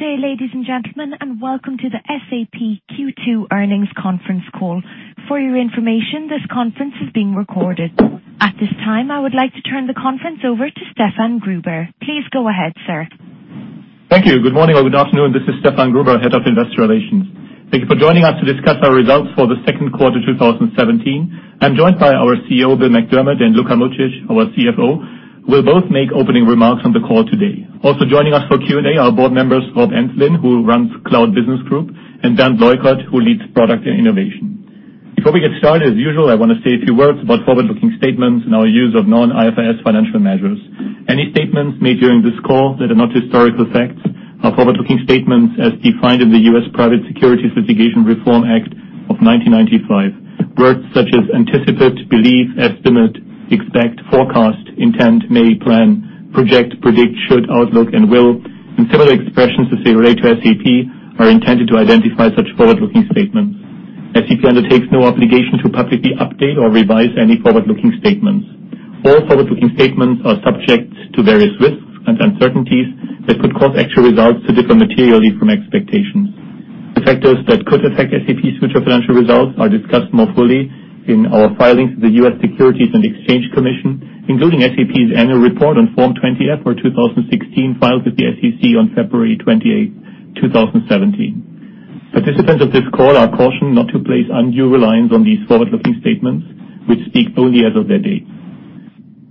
Good day, ladies and gentlemen, welcome to the SAP Q2 earnings conference call. For your information, this conference is being recorded. At this time, I would like to turn the conference over to Stefan Gruber. Please go ahead, sir. Thank you. Good morning or good afternoon. This is Stefan Gruber, Head of Investor Relations. Thank you for joining us to discuss our results for the second quarter 2017. I am joined by our CEO, Bill McDermott, and Luka Mucic, our CFO, will both make opening remarks on the call today. Also joining us for Q&A are board members Rob Enslin, who runs Cloud Business Group, and Bernd Leukert, who leads product and innovation. Before we get started, as usual, I want to say a few words about forward-looking statements and our use of non-IFRS financial measures. Any statements made during this call that are not historical facts are forward-looking statements as defined in the U.S. Private Securities Litigation Reform Act of 1995. Words such as anticipate, believe, estimate, expect, forecast, intend, may, plan, project, predict, should, outlook, and will, and similar expressions as they relate to SAP, are intended to identify such forward-looking statements. SAP undertakes no obligation to publicly update or revise any forward-looking statements. All forward-looking statements are subject to various risks and uncertainties that could cause actual results to differ materially from expectations. The factors that could affect SAP's future financial results are discussed more fully in our filings with the U.S. Securities and Exchange Commission, including SAP's annual report on Form 20-F for 2016, filed with the SEC on February 28th, 2017. Participants of this call are cautioned not to place undue reliance on these forward-looking statements, which speak only as of that date.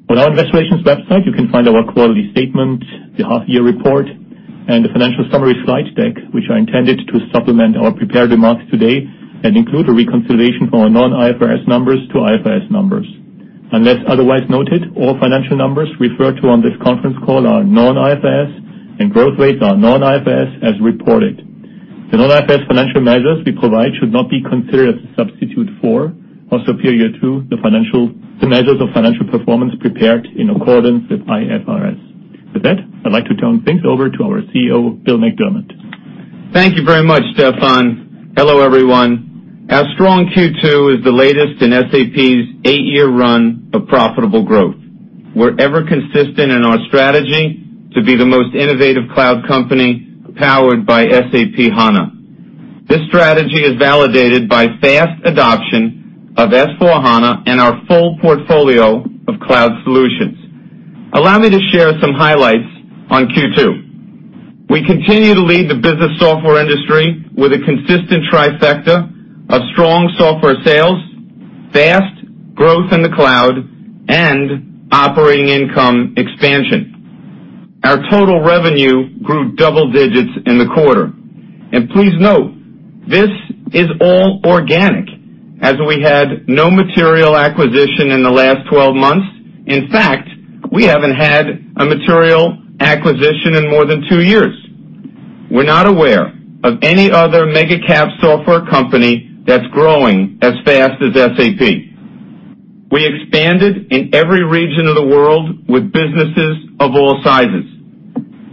On our investor relations website, you can find our quality statement, the half-year report, and the financial summary slide deck, which are intended to supplement our prepared remarks today and include a reconciliation for our non-IFRS numbers to IFRS numbers. Unless otherwise noted, all financial numbers referred to on this conference call are non-IFRS, and growth rates are non-IFRS, as reported. The non-IFRS financial measures we provide should not be considered a substitute for or superior to the measures of financial performance prepared in accordance with IFRS. With that, I would like to turn things over to our CEO, Bill McDermott. Thank you very much, Stefan. Hello, everyone. Our strong Q2 is the latest in SAP's eight-year run of profitable growth. We're ever consistent in our strategy to be the most innovative cloud company powered by SAP HANA. This strategy is validated by fast adoption of S/4HANA and our full portfolio of cloud solutions. Allow me to share some highlights on Q2. We continue to lead the business software industry with a consistent trifecta of strong software sales, fast growth in the cloud, and operating income expansion. Our total revenue grew double digits in the quarter. Please note, this is all organic, as we had no material acquisition in the last 12 months. In fact, we haven't had a material acquisition in more than two years. We're not aware of any other mega cap software company that's growing as fast as SAP. We expanded in every region of the world with businesses of all sizes.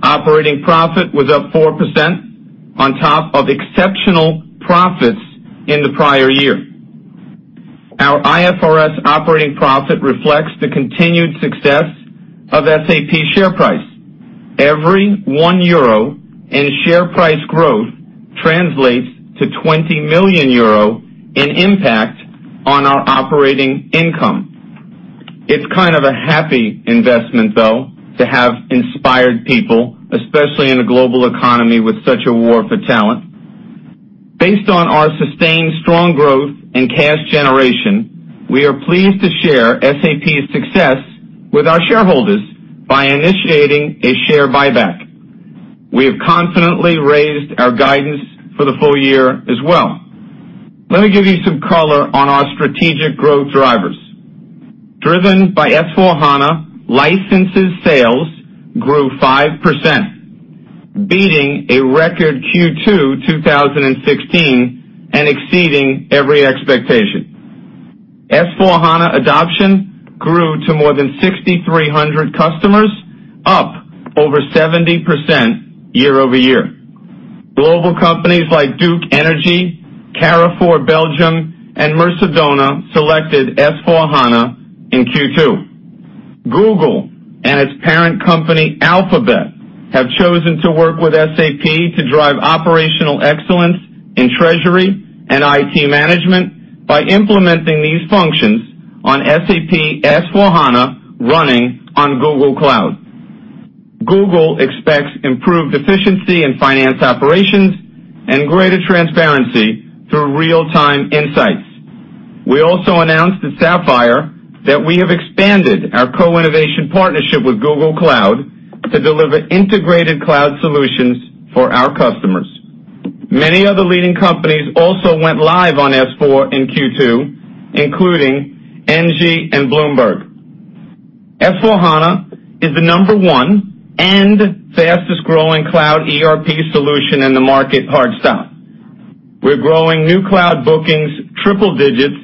Operating profit was up 4% on top of exceptional profits in the prior year. Our IFRS operating profit reflects the continued success of SAP share price. Every 1 euro in share price growth translates to 20 million euro in impact on our operating income. It's kind of a happy investment, though, to have inspired people, especially in a global economy with such a war for talent. Based on our sustained strong growth and cash generation, we are pleased to share SAP's success with our shareholders by initiating a share buyback. We have confidently raised our guidance for the full year as well. Let me give you some color on our strategic growth drivers. Driven by S/4HANA, licenses sales grew 5%, beating a record Q2 2016 and exceeding every expectation. S/4HANA adoption grew to more than 6,300 customers, up over 70% year-over-year. Global companies like Duke Energy, Carrefour Belgium, and Mercadona selected S/4HANA in Q2. Google and its parent company, Alphabet, have chosen to work with SAP to drive operational excellence in treasury and IT management by implementing these functions on SAP S/4HANA running on Google Cloud. Google expects improved efficiency in finance operations and greater transparency through real-time insights. We also announced at Sapphire that we have expanded our co-innovation partnership with Google Cloud to deliver integrated cloud solutions for our customers. Many other leading companies also went live on S/4 in Q2, including Engie and Bloomberg. S/4HANA is the number one and fastest-growing cloud ERP solution in the market hard stop. We're growing new cloud bookings triple digits,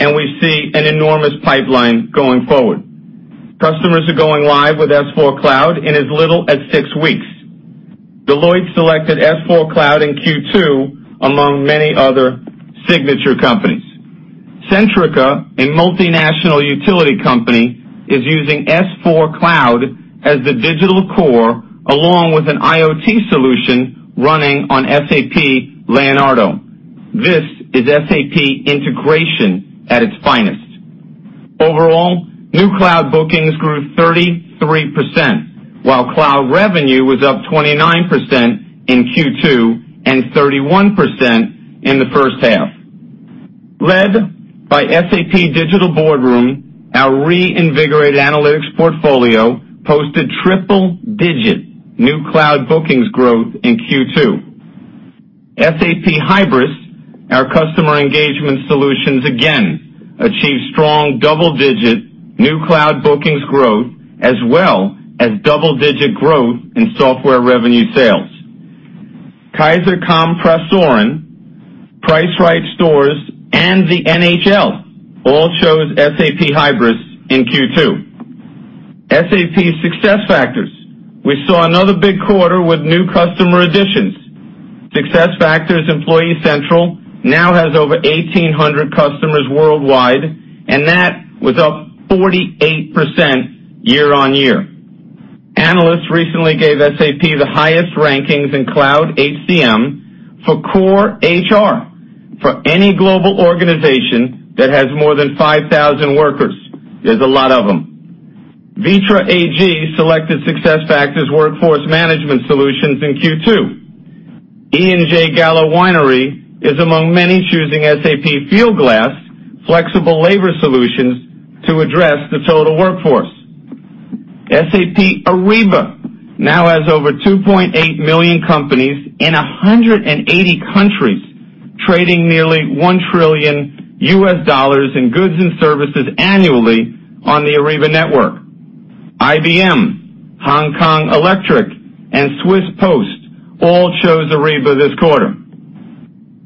and we see an enormous pipeline going forward. Customers are going live with S/4 cloud in as little as six weeks. Deloitte selected S/4 cloud in Q2, among many other signature companies. Centrica, a multinational utility company, is using S/4HANA Cloud as the digital core, along with an IoT solution running on SAP Leonardo. This is SAP integration at its finest. Overall, new cloud bookings grew 33%, while cloud revenue was up 29% in Q2 and 31% in the first half. Led by SAP Digital Boardroom, our reinvigorated analytics portfolio posted triple-digit new cloud bookings growth in Q2. SAP Hybris, our customer engagement solutions, again, achieved strong double-digit new cloud bookings growth, as well as double-digit growth in software revenue sales. Kaeser Kompressoren, Price Rite Marketplace, and the NHL all chose SAP Hybris in Q2. SAP SuccessFactors. We saw another big quarter with new customer additions. SAP SuccessFactors Employee Central now has over 1,800 customers worldwide, that was up 48% year-on-year. Analysts recently gave SAP the highest rankings in cloud HCM for core HR for any global organization that has more than 5,000 workers. There's a lot of them. Vitra AG selected SuccessFactors Workforce Management solutions in Q2. E. & J. Gallo Winery is among many choosing SAP Fieldglass flexible labor solutions to address the total workforce. SAP Ariba now has over 2.8 million companies in 180 countries trading nearly $1 trillion in goods and services annually on the Ariba network. IBM, Hong Kong Electric, and Swiss Post all chose Ariba this quarter.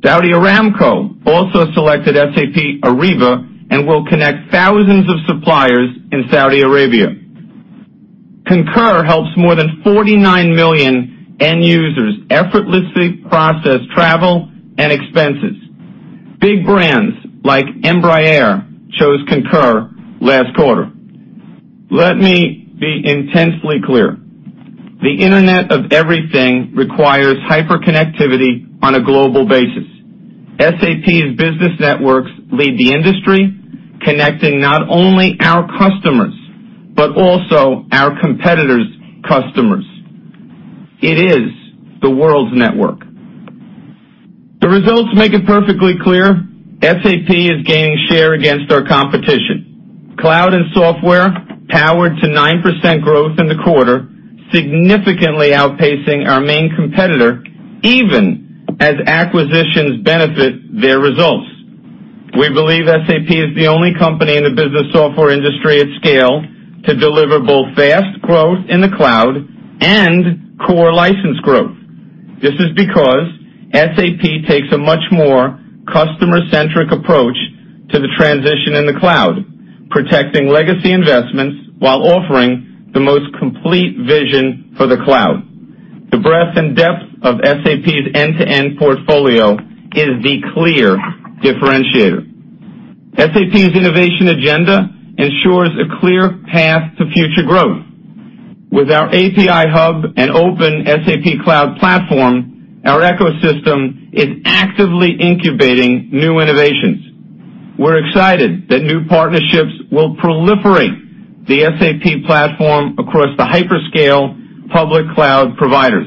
Saudi Aramco also selected SAP Ariba and will connect thousands of suppliers in Saudi Arabia. Concur helps more than 49 million end users effortlessly process travel and expenses. Big brands like Embraer chose Concur last quarter. Let me be intensely clear. The Internet of Everything requires hyperconnectivity on a global basis. SAP's business networks lead the industry, connecting not only our customers, but also our competitors' customers. It is the world's network. The results make it perfectly clear SAP is gaining share against our competition. Cloud and software powered to 9% growth in the quarter, significantly outpacing our main competitor, even as acquisitions benefit their results. We believe SAP is the only company in the business software industry at scale to deliver both fast growth in the cloud and core license growth. This is because SAP takes a much more customer-centric approach to the transition in the cloud, protecting legacy investments while offering the most complete vision for the cloud. The breadth and depth of SAP's end-to-end portfolio is the clear differentiator. SAP's innovation agenda ensures a clear path to future growth. With our API hub and open SAP Cloud Platform, our ecosystem is actively incubating new innovations. We're excited that new partnerships will proliferate the SAP platform across the hyperscale public cloud providers.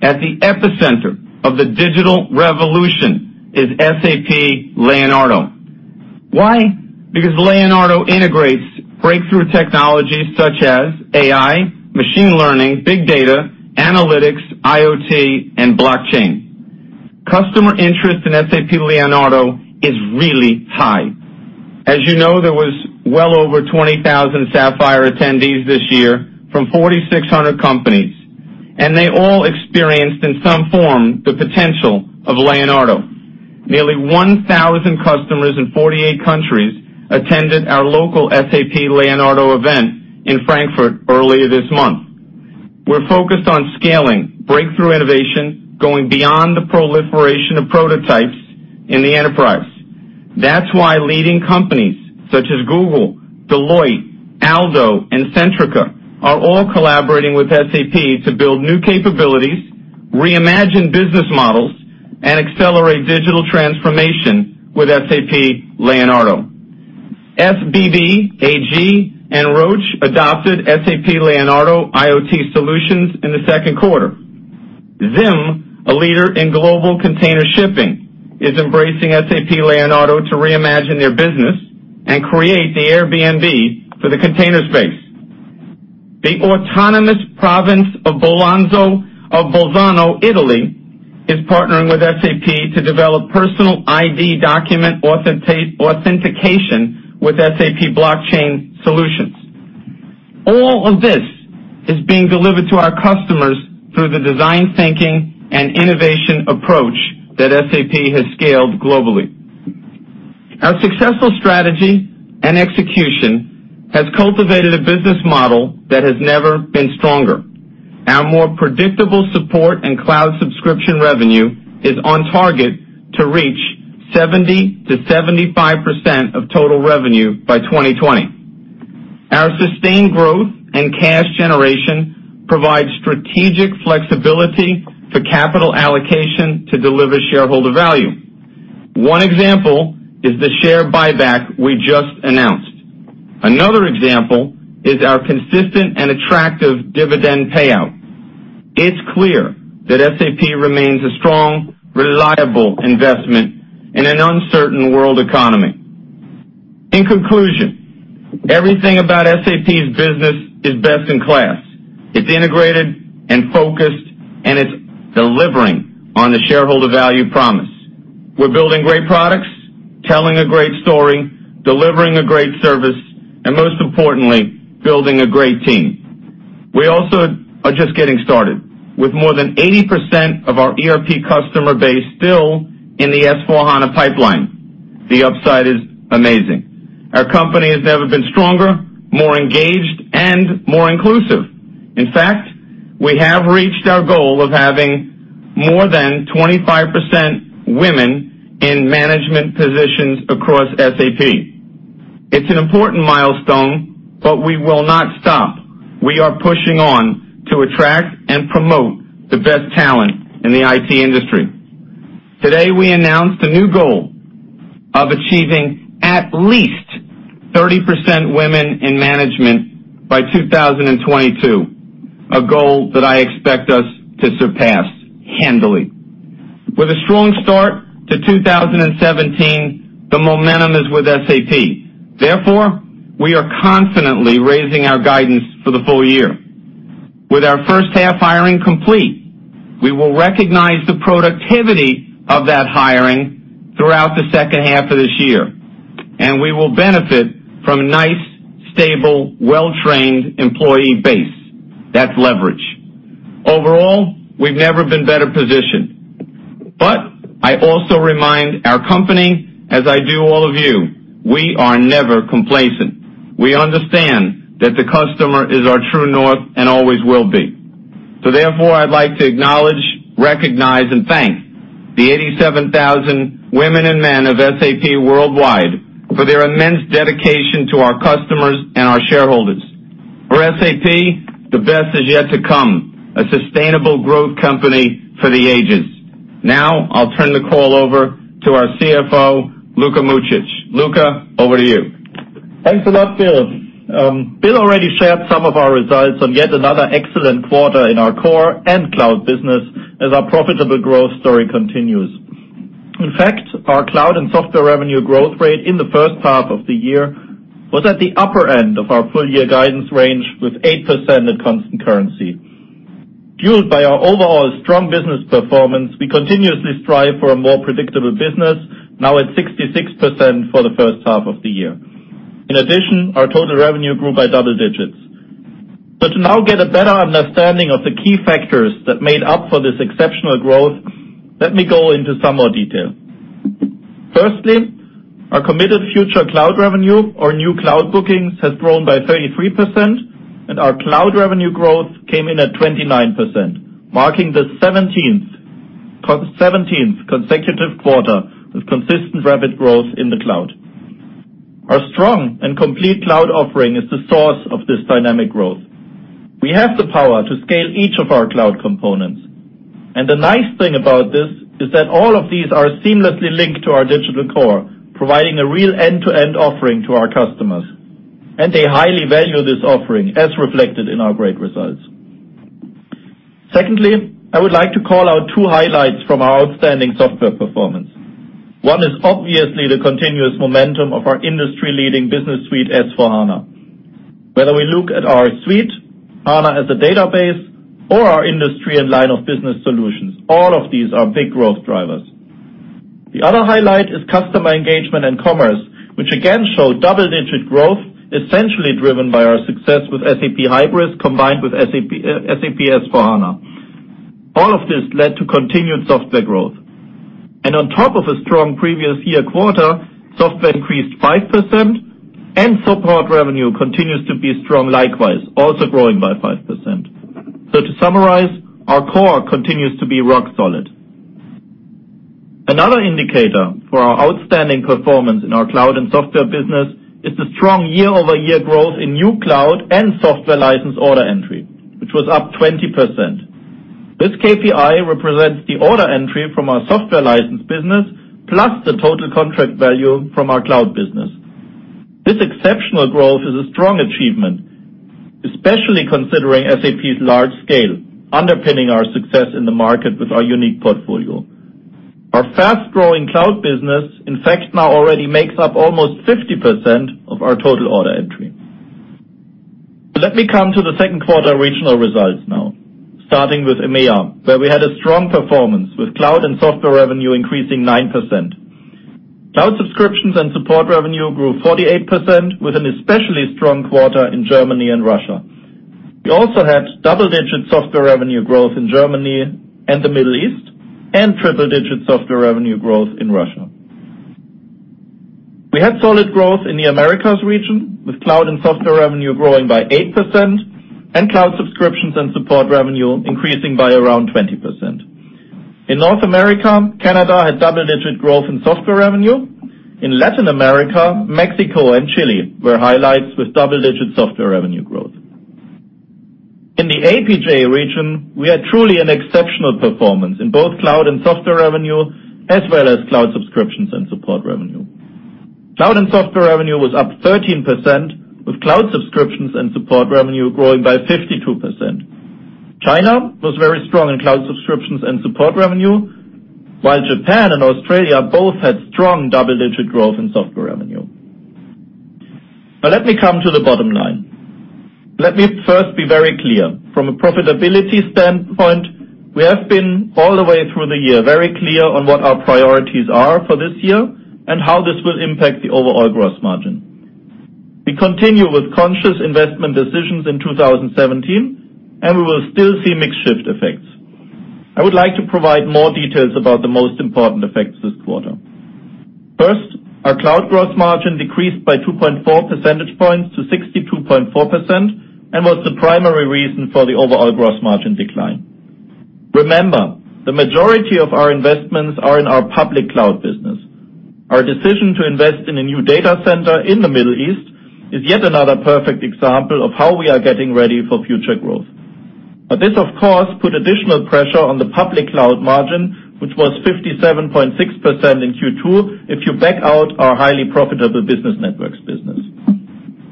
At the epicenter of the digital revolution is SAP Leonardo. Why? Because Leonardo integrates breakthrough technologies such as AI, machine learning, big data, analytics, IoT, and blockchain. Customer interest in SAP Leonardo is really high. As you know, there was well over 20,000 SAP Sapphire attendees this year from 4,600 companies, they all experienced, in some form, the potential of Leonardo. Nearly 1,000 customers in 48 countries attended our local SAP Leonardo event in Frankfurt earlier this month. We're focused on scaling breakthrough innovation, going beyond the proliferation of prototypes in the enterprise. That's why leading companies such as Google, Deloitte, ALDO, and Centrica are all collaborating with SAP to build new capabilities, reimagine business models, and accelerate digital transformation with SAP Leonardo. FBB AG and Roche adopted SAP Leonardo IoT solutions in the second quarter. Zim, a leader in global container shipping, is embracing SAP Leonardo to reimagine their business and create the Airbnb for the container space. The autonomous province of Bolzano, Italy is partnering with SAP to develop personal ID document authentication with SAP blockchain solutions. All of this is being delivered to our customers through the design thinking and innovation approach that SAP has scaled globally. Our successful strategy and execution has cultivated a business model that has never been stronger. Our more predictable support and cloud subscription revenue is on target to reach 70%-75% of total revenue by 2020. Our sustained growth and cash generation provide strategic flexibility for capital allocation to deliver shareholder value. One example is the share buyback we just announced. Another example is our consistent and attractive dividend payout. It's clear that SAP remains a strong, reliable investment in an uncertain world economy. In conclusion, everything about SAP's business is best in class. It's integrated and focused, and it's delivering on the shareholder value promise. We're building great products, telling a great story, delivering a great service, and most importantly, building a great team. We also are just getting started. With more than 80% of our ERP customer base still in the SAP S/4HANA pipeline, the upside is amazing. Our company has never been stronger, more engaged, and more inclusive. In fact, we have reached our goal of having more than 25% women in management positions across SAP. It's an important milestone. We will not stop. We are pushing on to attract and promote the best talent in the IT industry. Today, we announced a new goal of achieving at least 30% women in management by 2022, a goal that I expect us to surpass handily. With a strong start to 2017, the momentum is with SAP. Therefore, we are confidently raising our guidance for the full year. With our first half hiring complete, we will recognize the productivity of that hiring throughout the second half of this year, and we will benefit from a nice, stable, well-trained employee base. That's leverage. Overall, we've never been better positioned. I also remind our company, as I do all of you, we are never complacent. We understand that the customer is our true north and always will be. Therefore, I'd like to acknowledge, recognize, and thank the 87,000 women and men of SAP worldwide for their immense dedication to our customers and our shareholders. For SAP, the best is yet to come, a sustainable growth company for the ages. Now, I'll turn the call over to our CFO, Luka Mucic. Luka, over to you. Thanks a lot, Bill. Bill already shared some of our results on yet another excellent quarter in our core and cloud business as our profitable growth story continues. In fact, our cloud and software revenue growth rate in the first half of the year was at the upper end of our full-year guidance range, with 8% at constant currency. Fueled by our overall strong business performance, we continuously strive for a more predictable business, now at 66% for the first half of the year. In addition, our total revenue grew by double digits. To now get a better understanding of the key factors that made up for this exceptional growth, let me go into some more detail. Firstly, our committed future cloud revenue, or new cloud bookings, has grown by 33%, and our cloud revenue growth came in at 29%, marking the 17th consecutive quarter of consistent rapid growth in the cloud. Our strong and complete cloud offering is the source of this dynamic growth. We have the power to scale each of our cloud components. The nice thing about this is that all of these are seamlessly linked to our digital core, providing a real end-to-end offering to our customers, and they highly value this offering, as reflected in our great results. Secondly, I would like to call out two highlights from our outstanding software performance. One is obviously the continuous momentum of our industry-leading business suite, SAP S/4HANA. Whether we look at our suite, SAP HANA as a database, or our industry and line of business solutions, all of these are big growth drivers. The other highlight is customer engagement and commerce, which again showed double-digit growth, essentially driven by our success with SAP Hybris combined with SAP S/4HANA. All of this led to continued software growth. On top of a strong previous year quarter, software increased 5%, and support revenue continues to be strong likewise, also growing by 5%. To summarize, our core continues to be rock solid. Another indicator for our outstanding performance in our cloud and software business is the strong year-over-year growth in new cloud and software license order entry, which was up 20%. This KPI represents the order entry from our software license business, plus the TCV from our cloud business. This exceptional growth is a strong achievement, especially considering SAP's large scale, underpinning our success in the market with our unique portfolio. Our fast-growing cloud business, in fact, now already makes up almost 50% of our total order entry. Let me come to the second quarter regional results now. Starting with EMEA, where we had a strong performance, with cloud and software revenue increasing 9%. Cloud subscriptions and support revenue grew 48%, with an especially strong quarter in Germany and Russia. We also had double-digit software revenue growth in Germany and the Middle East, and triple-digit software revenue growth in Russia. We had solid growth in the Americas region, with cloud and software revenue growing by 8%, and cloud subscriptions and support revenue increasing by around 20%. In North America, Canada had double-digit growth in software revenue. In Latin America, Mexico and Chile were highlights with double-digit software revenue growth. In the APJ region, we had truly an exceptional performance in both cloud and software revenue, as well as cloud subscriptions and support revenue. Cloud and software revenue was up 13%, with cloud subscriptions and support revenue growing by 52%. China was very strong in cloud subscriptions and support revenue, while Japan and Australia both had strong double-digit growth in software revenue. Let me come to the bottom line. Let me first be very clear. From a profitability standpoint, we have been, all the way through the year, very clear on what our priorities are for this year and how this will impact the overall gross margin. We continue with conscious investment decisions in 2017, and we will still see mix shift effects. I would like to provide more details about the most important effects this quarter. First, our cloud gross margin decreased by 2.4 percentage points to 62.4% and was the primary reason for the overall gross margin decline. Remember, the majority of our investments are in our public cloud business. Our decision to invest in a new data center in the Middle East is yet another perfect example of how we are getting ready for future growth. This, of course, put additional pressure on the public cloud margin, which was 57.6% in Q2 if you back out our highly profitable business networks business.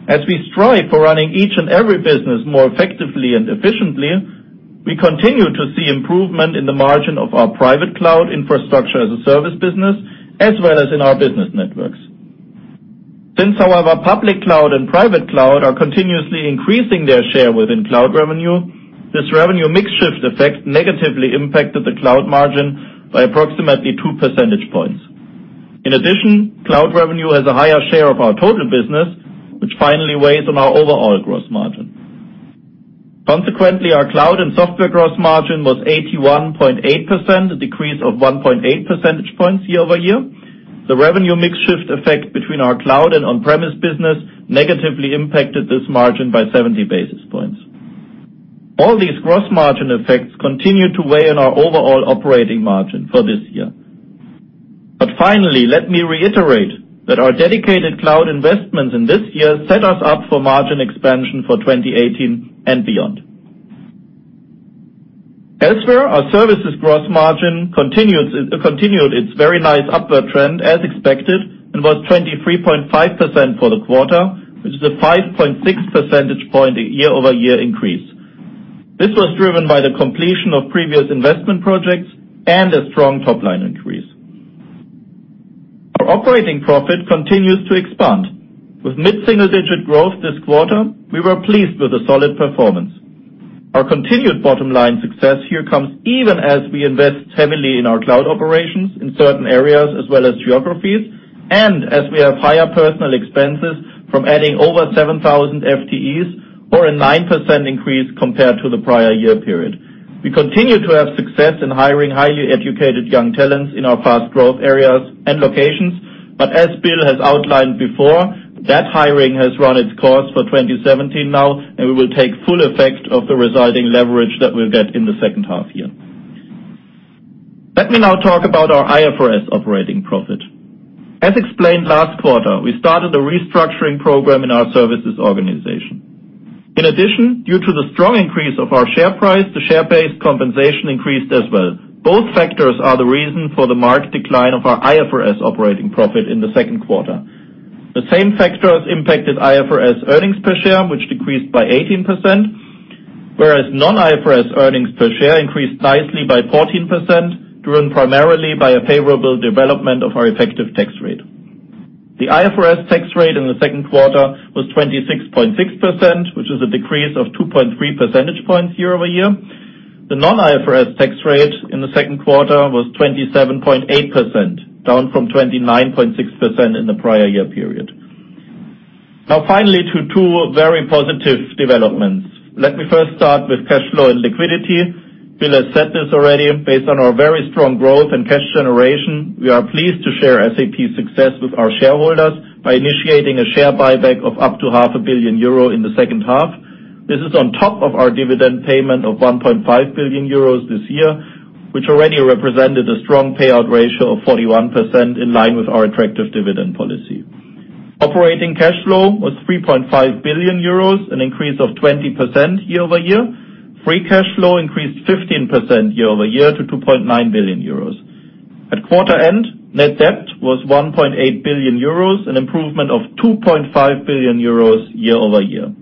As we strive for running each and every business more effectively and efficiently, we continue to see improvement in the margin of our private cloud infrastructure as a service business, as well as in our business networks. However, public cloud and private cloud are continuously increasing their share within cloud revenue, this revenue mix shift effect negatively impacted the cloud margin by approximately two percentage points. In addition, cloud revenue has a higher share of our total business, which finally weighs on our overall gross margin. Consequently, our cloud and software gross margin was 81.8%, a decrease of 1.8 percentage points year-over-year. The revenue mix shift effect between our cloud and on-premise business negatively impacted this margin by 70 basis points. All these gross margin effects continue to weigh on our overall operating margin for this year. Finally, let me reiterate that our dedicated cloud investments in this year set us up for margin expansion for 2018 and beyond. Elsewhere, our services gross margin continued its very nice upward trend as expected and was 23.5% for the quarter, which is a 5.6 percentage point year-over-year increase. This was driven by the completion of previous investment projects and a strong top-line increase. Our operating profit continues to expand. With mid-single-digit growth this quarter, we were pleased with the solid performance. Our continued bottom-line success here comes even as we invest heavily in our cloud operations in certain areas as well as geographies, and as we have higher personnel expenses from adding over 7,000 FTEs or a 9% increase compared to the prior year period. We continue to have success in hiring highly educated young talents in our fast growth areas and locations. As Bill has outlined before, that hiring has run its course for 2017 now, and we will take full effect of the resulting leverage that we'll get in the second half year. Let me now talk about our IFRS operating profit. As explained last quarter, we started a restructuring program in our services organization. In addition, due to the strong increase of our share price, the share-based compensation increased as well. Both factors are the reason for the marked decline of our IFRS operating profit in the second quarter. The same factors impacted IFRS earnings per share, which decreased by 18%, whereas non-IFRS earnings per share increased nicely by 14%, driven primarily by a favorable development of our effective tax rate. The IFRS tax rate in the second quarter was 26.6%, which is a decrease of 2.3 percentage points year-over-year. The non-IFRS tax rate in the second quarter was 27.8%, down from 29.6% in the prior year period. Finally, to two very positive developments. Let me first start with cash flow and liquidity. Bill has said this already. Based on our very strong growth and cash generation, we are pleased to share SAP success with our shareholders by initiating a share buyback of up to half a billion EUR in the second half. This is on top of our dividend payment of 1.5 billion euros this year, which already represented a strong payout ratio of 41% in line with our attractive dividend policy. Operating cash flow was 3.5 billion euros, an increase of 20% year-over-year. Free cash flow increased 15% year-over-year to 2.9 billion euros. At quarter-end, net debt was 1.8 billion euros, an improvement of 2.5 billion euros year-over-year.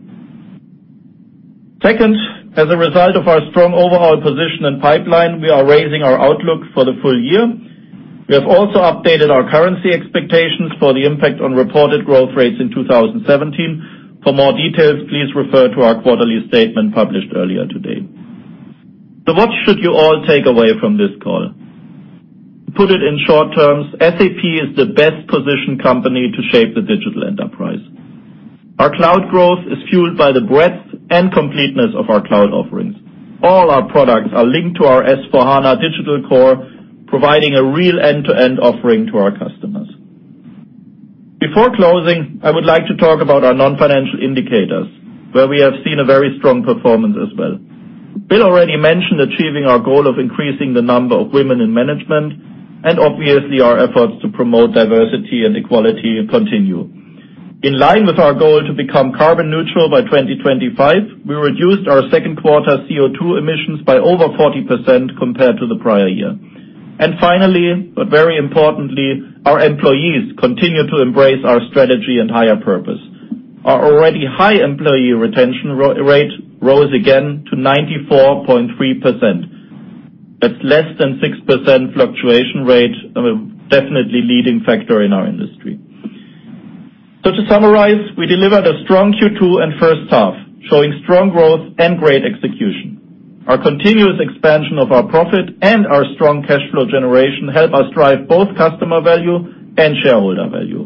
As a result of our strong overall position and pipeline, we are raising our outlook for the full-year. We have also updated our currency expectations for the impact on reported growth rates in 2017. For more details, please refer to our quarterly statement published earlier today. What should you all take away from this call? To put it in short terms, SAP is the best-positioned company to shape the digital era. Our cloud growth is fueled by the breadth and completeness of our cloud offerings. All our products are linked to our S/4HANA digital core, providing a real end-to-end offering to our customers. Before closing, I would like to talk about our non-financial indicators, where we have seen a very strong performance as well. Bill already mentioned achieving our goal of increasing the number of women in management, and obviously, our efforts to promote diversity and equality continue. In line with our goal to become carbon neutral by 2025, we reduced our second quarter CO2 emissions by over 40% compared to the prior year. Finally, but very importantly, our employees continue to embrace our strategy and higher purpose. Our already high employee retention rate rose again to 94.3%. That's less than 6% fluctuation rate, definitely leading factor in our industry. To summarize, we delivered a strong Q2 and first half, showing strong growth and great execution. Our continuous expansion of our profit and our strong cash flow generation help us drive both customer value and shareholder value.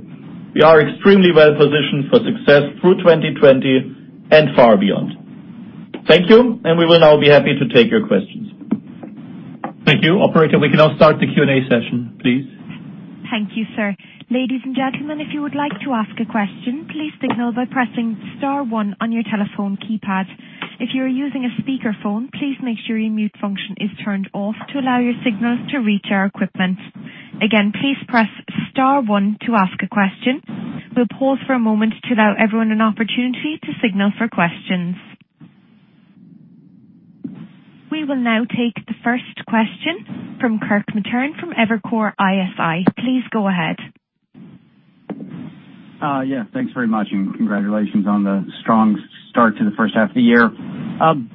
We are extremely well-positioned for success through 2020 and far beyond. Thank you. We will now be happy to take your questions. Thank you. Operator, we can now start the Q&A session, please. Thank you, sir. Ladies and gentlemen, if you would like to ask a question, please signal by pressing star one on your telephone keypad. If you are using a speakerphone, please make sure your mute function is turned off to allow your signals to reach our equipment. Again, please press star one to ask a question. We will pause for a moment to allow everyone an opportunity to signal for questions. We will now take the first question from Kirk Materne from Evercore ISI. Please go ahead. Yeah. Thanks very much, and congratulations on the strong start to the first half of the year.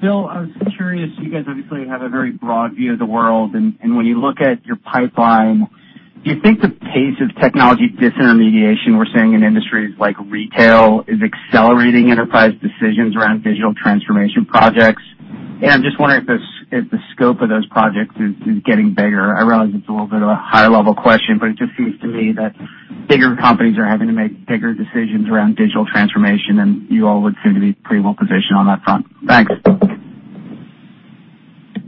Bill, I was curious, you guys obviously have a very broad view of the world, and when you look at your pipeline, do you think the pace of technology disintermediation we are seeing in industries like retail is accelerating enterprise decisions around digital transformation projects? I am just wondering if the scope of those projects is getting bigger. I realize it is a little bit of a high-level question, but it just seems to me that bigger companies are having to make bigger decisions around digital transformation, and you all would seem to be pretty well positioned on that front. Thanks.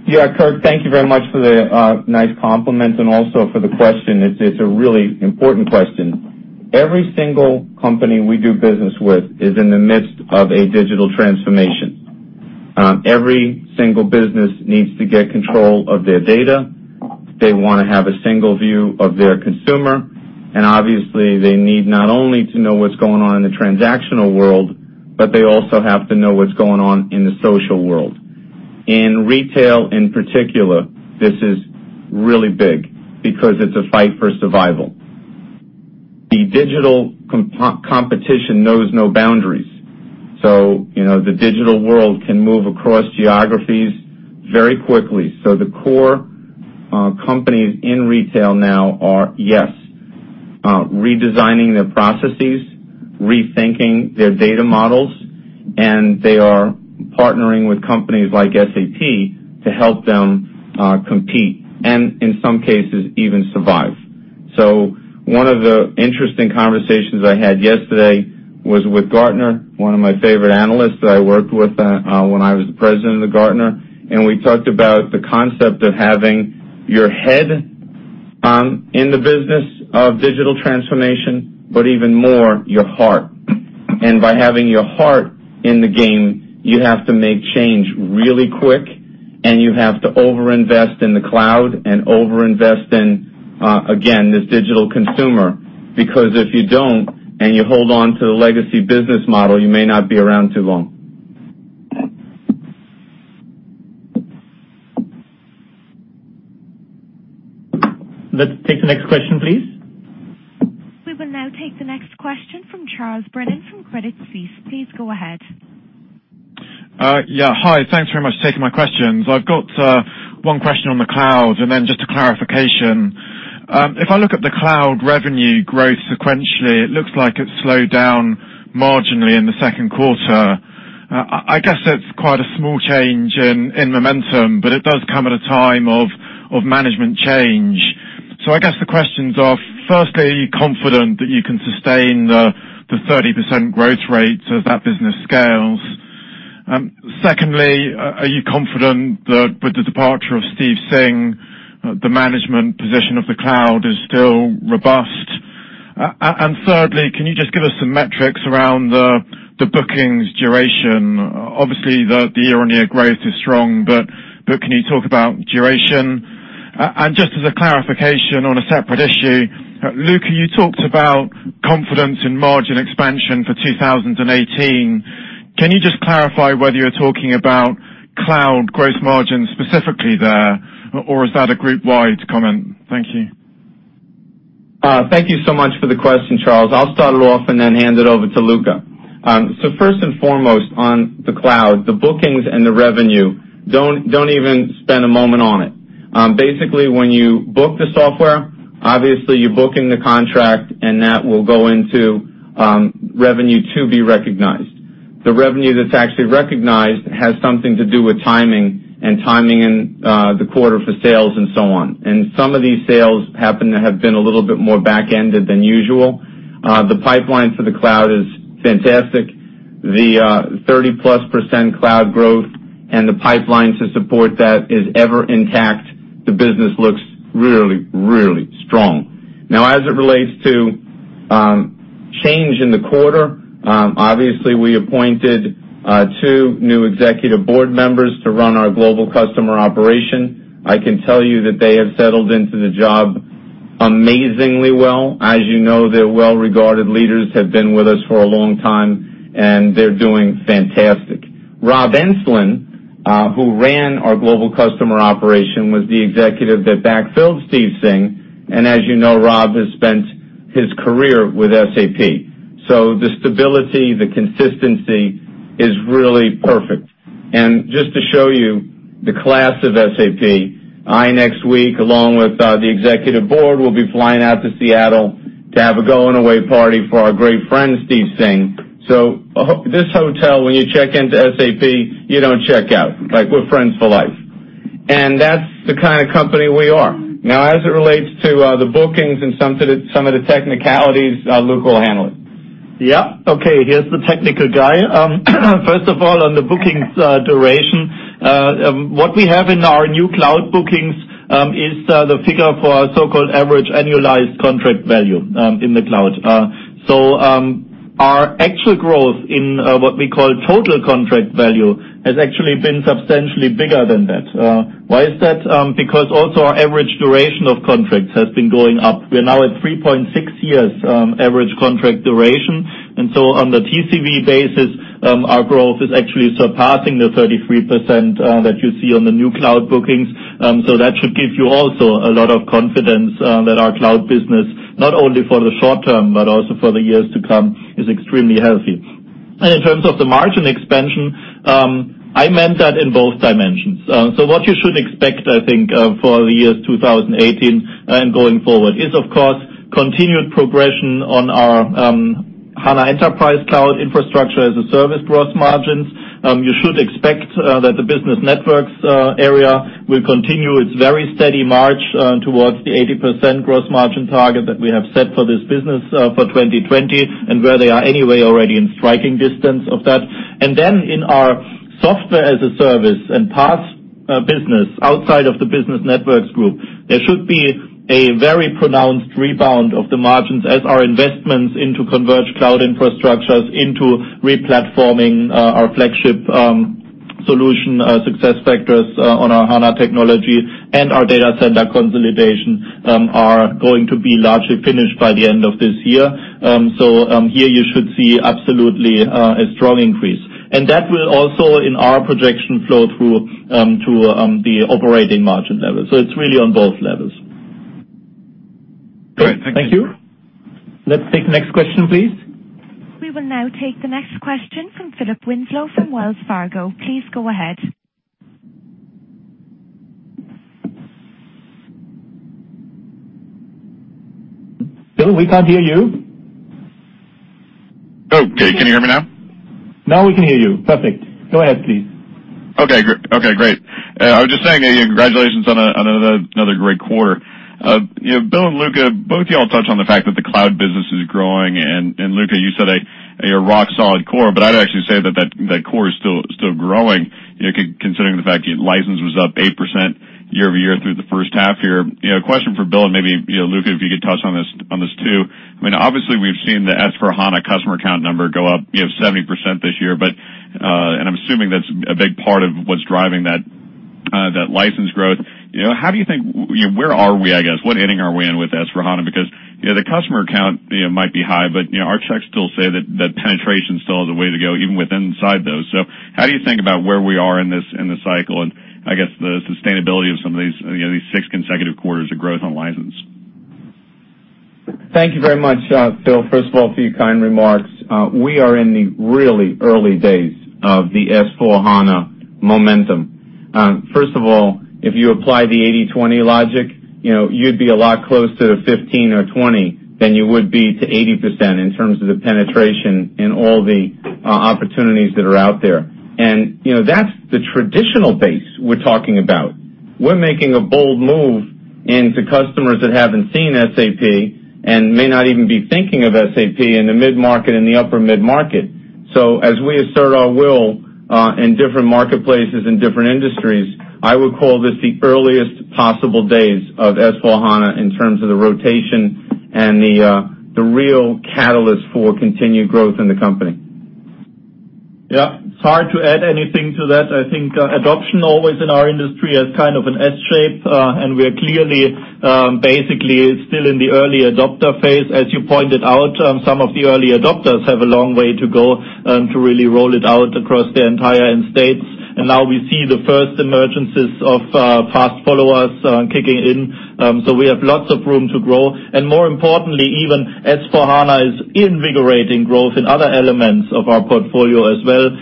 Yeah, Kirk. Thank you very much for the nice compliment and also for the question. It is a really important question. Every single company we do business with is in the midst of a digital transformation. Every single business needs to get control of their data. They want to have a single view of their consumer, and obviously, they need not only to know what is going on in the transactional world, but they also have to know what is going on in the social world. In retail, in particular, this is really big because it is a fight for survival. The digital competition knows no boundaries. The digital world can move across geographies very quickly. The core companies in retail now are, yes, redesigning their processes, rethinking their data models, and they are partnering with companies like SAP to help them compete, and in some cases, even survive. One of the interesting conversations I had yesterday was with Gartner, one of my favorite analysts that I worked with when I was the president of Gartner, and we talked about the concept of having your head in the business of digital transformation, but even more, your heart. By having your heart in the game, you have to make change really quick, and you have to over-invest in the cloud and over-invest in, again, this digital consumer. If you do not, and you hold on to the legacy business model, you may not be around too long. Let us take the next question, please. We will now take the next question from Charles Brennan from Credit Suisse. Please go ahead. Yeah. Hi. Thanks very much for taking my questions. I've got one question on the cloud and then just a clarification. If I look at the cloud revenue growth sequentially, it looks like it slowed down marginally in the second quarter. I guess the questions are, firstly, are you confident that you can sustain the 30% growth rate as that business scales? Secondly, are you confident that with the departure of Steve Singh, the management position of the cloud is still robust? Thirdly, can you just give us some metrics around the bookings duration? Obviously, the year-on-year growth is strong, but can you talk about duration? Just as a clarification on a separate issue, Luka, you talked about confidence in margin expansion for 2018. Can you just clarify whether you're talking about cloud gross margin specifically there, or is that a group-wide comment? Thank you. Thank you so much for the question, Charles. I'll start it off and then hand it over to Luka. First and foremost on the cloud, the bookings and the revenue, don't even spend a moment on it. Basically, when you book the software, obviously you're booking the contract, and that will go into revenue to be recognized The revenue that's actually recognized has something to do with timing and timing in the quarter for sales and so on. Some of these sales happen to have been a little bit more back-ended than usual. The pipeline for the cloud is fantastic. The 30-plus% cloud growth and the pipelines to support that is ever intact. The business looks really, really strong. As it relates to change in the quarter, obviously, we appointed two new Executive Board members to run our Global Customer Operation. I can tell you that they have settled into the job amazingly well. As you know, they're well-regarded leaders, have been with us for a long time, and they're doing fantastic. Rob Enslin, who ran our Global Customer Operation, was the executive that backfilled Steve Singh, and as you know, Rob has spent his career with SAP. The stability, the consistency is really perfect. Just to show you the class of SAP, I, next week, along with the Executive Board, will be flying out to Seattle to have a going away party for our great friend, Steve Singh. This hotel, when you check into SAP, you don't check out. We're friends for life. That's the kind of company we are. As it relates to the bookings and some of the technicalities, Luka will handle it. Here's the technical guy. First of all, on the bookings duration, what we have in our new cloud bookings, is the figure for our so-called average annualized contract value in the cloud. Our actual growth in what we call total contract value has actually been substantially bigger than that. Why is that? Because also our average duration of contracts has been going up. We're now at 3.6 years average contract duration. On the TCV basis, our growth is actually surpassing the 33% that you see on the new cloud bookings. That should give you also a lot of confidence that our cloud business, not only for the short term, but also for the years to come, is extremely healthy. In terms of the margin expansion, I meant that in both dimensions. What you should expect, I think, for the years 2018 and going forward is, of course, continued progression on our HANA Enterprise Cloud Infrastructure as a Service growth margins. You should expect that the business networks area will continue its very steady march towards the 80% growth margin target that we have set for this business for 2020, and where they are anyway already in striking distance of that. In our Software as a Service and PaaS business, outside of the business networks group, there should be a very pronounced rebound of the margins as our investments into converged cloud infrastructures, into re-platforming our flagship solution SuccessFactors on our HANA technology, and our data center consolidation are going to be largely finished by the end of this year. Here you should see absolutely a strong increase. That will also, in our projection, flow through to the operating margin level. It's really on both levels. Great. Thank you. Thank you. Let's take the next question, please. We will now take the next question from Philip Winslow from Wells Fargo. Please go ahead. Phil, we can't hear you. Okay. Can you hear me now? Now we can hear you. Perfect. Go ahead, please. Okay, great. I was just saying congratulations on another great quarter. Bill and Luka, both of y'all touched on the fact that the cloud business is growing, and Luka, you said a rock-solid core, I'd actually say that core is still growing, considering the fact license was up 8% year-over-year through the first half here. A question for Bill, and maybe Luka, if you could touch on this too. Obviously, we've seen the SAP S/4HANA customer count number go up 70% this year, and I'm assuming that's a big part of what's driving that license growth. Where are we, I guess? What inning are we in with SAP S/4HANA? The customer count might be high, but our checks still say that penetration still has a way to go, even within inside those. How do you think about where we are in this cycle and I guess the sustainability of some of these six consecutive quarters of growth on license? Thank you very much, Phil. First of all, for your kind remarks. We are in the really early days of the SAP S/4HANA momentum. First of all, if you apply the 80/20 logic, you'd be a lot closer to 15 or 20 than you would be to 80% in terms of the penetration in all the opportunities that are out there. That's the traditional base we're talking about. We're making a bold move into customers that haven't seen SAP and may not even be thinking of SAP in the mid-market and the upper mid-market. As we assert our will, in different marketplaces, in different industries, I would call this the earliest possible days of SAP S/4HANA in terms of the rotation and the real catalyst for continued growth in the company. Yeah. It's hard to add anything to that. I think adoption always in our industry is kind of an S shape, and we're clearly, basically still in the early adopter phase. As you pointed out, some of the early adopters have a long way to go to really roll it out across their entire end states. Now we see the first emergences of fast followers kicking in, so we have lots of room to grow. More importantly, even SAP S/4HANA is invigorating growth in other elements of our portfolio as well.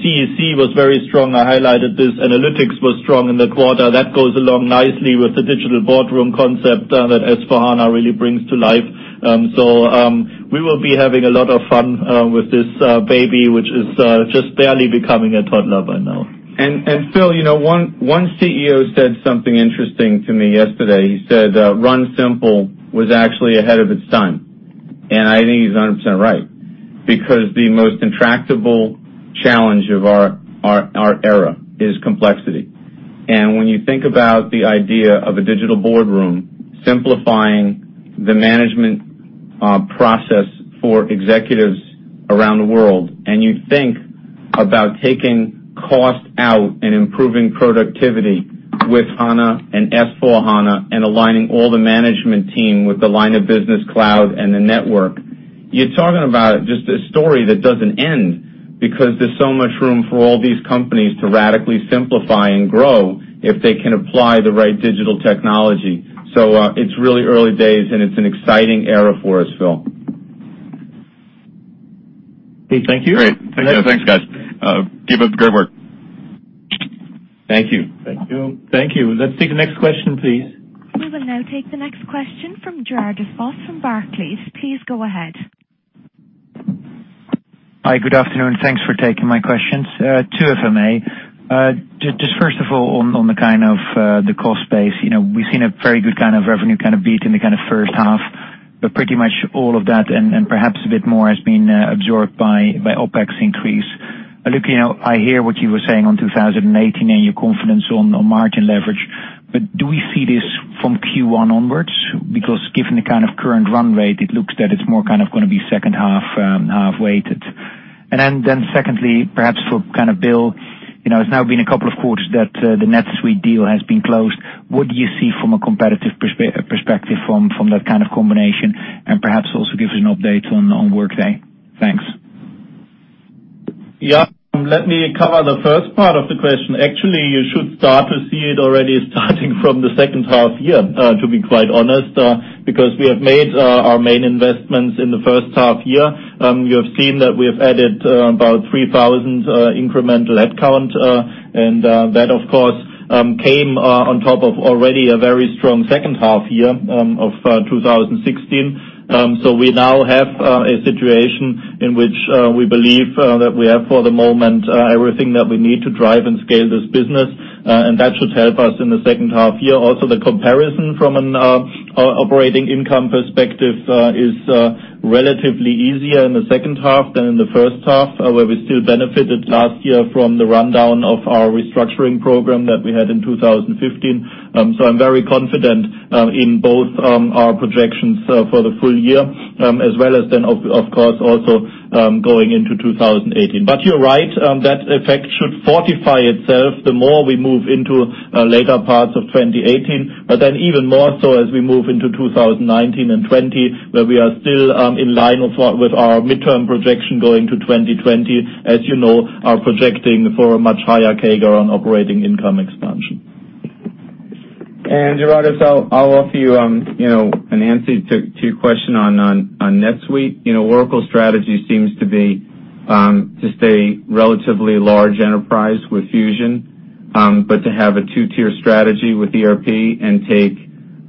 CEC was very strong. I highlighted this. Analytics was strong in the quarter. That goes along nicely with the SAP Digital Boardroom concept that SAP S/4HANA really brings to life. We will be having a lot of fun with this baby, which is just barely becoming a toddler by now. Phil, one CEO said something interesting to me yesterday. He said, "Run Simple was actually ahead of its time." I think he's 100% right, because the most intractable challenge of our era is complexity. When you think about the idea of a SAP Digital Boardroom simplifying the management process for executives around the world, and you think about taking cost out and improving productivity with SAP HANA and SAP S/4HANA and aligning all the management team with the line of business cloud and the network, you're talking about just a story that doesn't end because there's so much room for all these companies to radically simplify and grow if they can apply the right digital technology. It's really early days, and it's an exciting era for us, Phil. Okay, thank you. Great. Thanks, guys. Keep up the great work. Thank you. Thank you. Thank you. Let's take the next question, please. We will now take the next question from Gerardus Vos from Barclays. Please go ahead. Hi. Good afternoon. Thanks for taking my questions. Two, if I may. Just first of all, on the kind of the cost base. We've seen a very good kind of revenue kind of beat in the kind of first half, but pretty much all of that, and perhaps a bit more, has been absorbed by OpEx increase. Luka, I hear what you were saying on 2018 and your confidence on margin leverage, but do we see this from Q1 onwards? Because given the kind of current run rate, it looks that it's more kind of going to be second half weighted. Secondly, perhaps for Bill. It's now been a couple of quarters that the NetSuite deal has been closed. What do you see from a competitive perspective from that kind of combination? And perhaps also give us an update on Workday. Thanks. Yeah. Let me cover the first part of the question. Actually, you should start to see it already starting from the second half year, to be quite honest, because we have made our main investments in the first half year. You have seen that we have added about 3,000 incremental headcount, and that, of course, came on top of already a very strong second half year of 2016. We now have a situation in which we believe that we have, for the moment, everything that we need to drive and scale this business. That should help us in the second half year. Also, the comparison from an operating income perspective is relatively easier in the second half than in the first half, where we still benefited last year from the rundown of our restructuring program that we had in 2015. I'm very confident in both our projections for the full year as well as, of course, also going into 2018. You're right. That effect should fortify itself the more we move into later parts of 2018, even more so as we move into 2019 and 2020, where we are still in line with our midterm projection going to 2020. As you know, are projecting for a much higher CAGR on operating income expansion. Gerard, I'll offer you an answer to your question on NetSuite. Oracle strategy seems to be to stay relatively large enterprise with Fusion. To have a two-tier strategy with ERP and take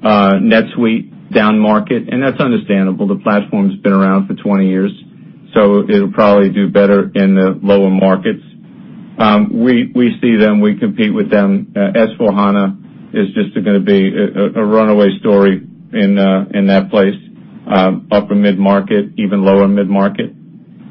NetSuite down market, and that's understandable. The platform's been around for 20 years, so it'll probably do better in the lower markets. We see them, we compete with them. S/4HANA is just going to be a runaway story in that place. Upper mid-market, even lower mid-market.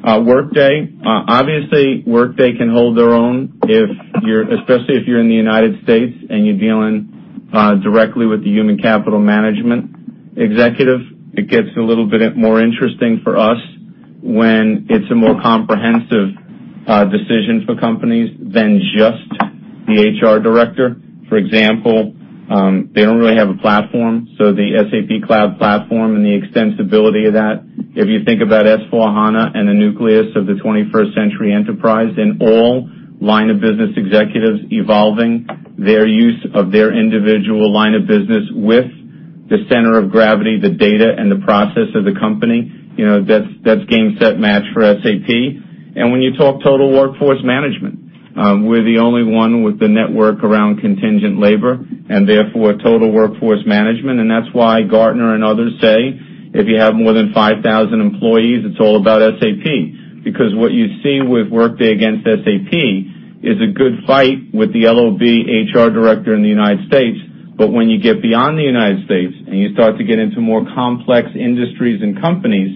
Workday, obviously Workday can hold their own, especially if you're in the U.S. and you're dealing directly with the human capital management executive. It gets a little bit more interesting for us when it's a more comprehensive decision for companies than just the HR director. For example, they don't really have a platform, the SAP Cloud Platform and the extensibility of that, if you think about S/4HANA and the nucleus of the 21st century enterprise and all line of business executives evolving their use of their individual line of business with the center of gravity, the data, and the process of the company, that's game set match for SAP. When you talk total workforce management, we're the only one with the network around contingent labor, and therefore total workforce management. That's why Gartner and others say, if you have more than 5,000 employees, it's all about SAP. Because what you see with Workday against SAP is a good fight with the LOB HR director in the U.S. When you get beyond the U.S. and you start to get into more complex industries and companies,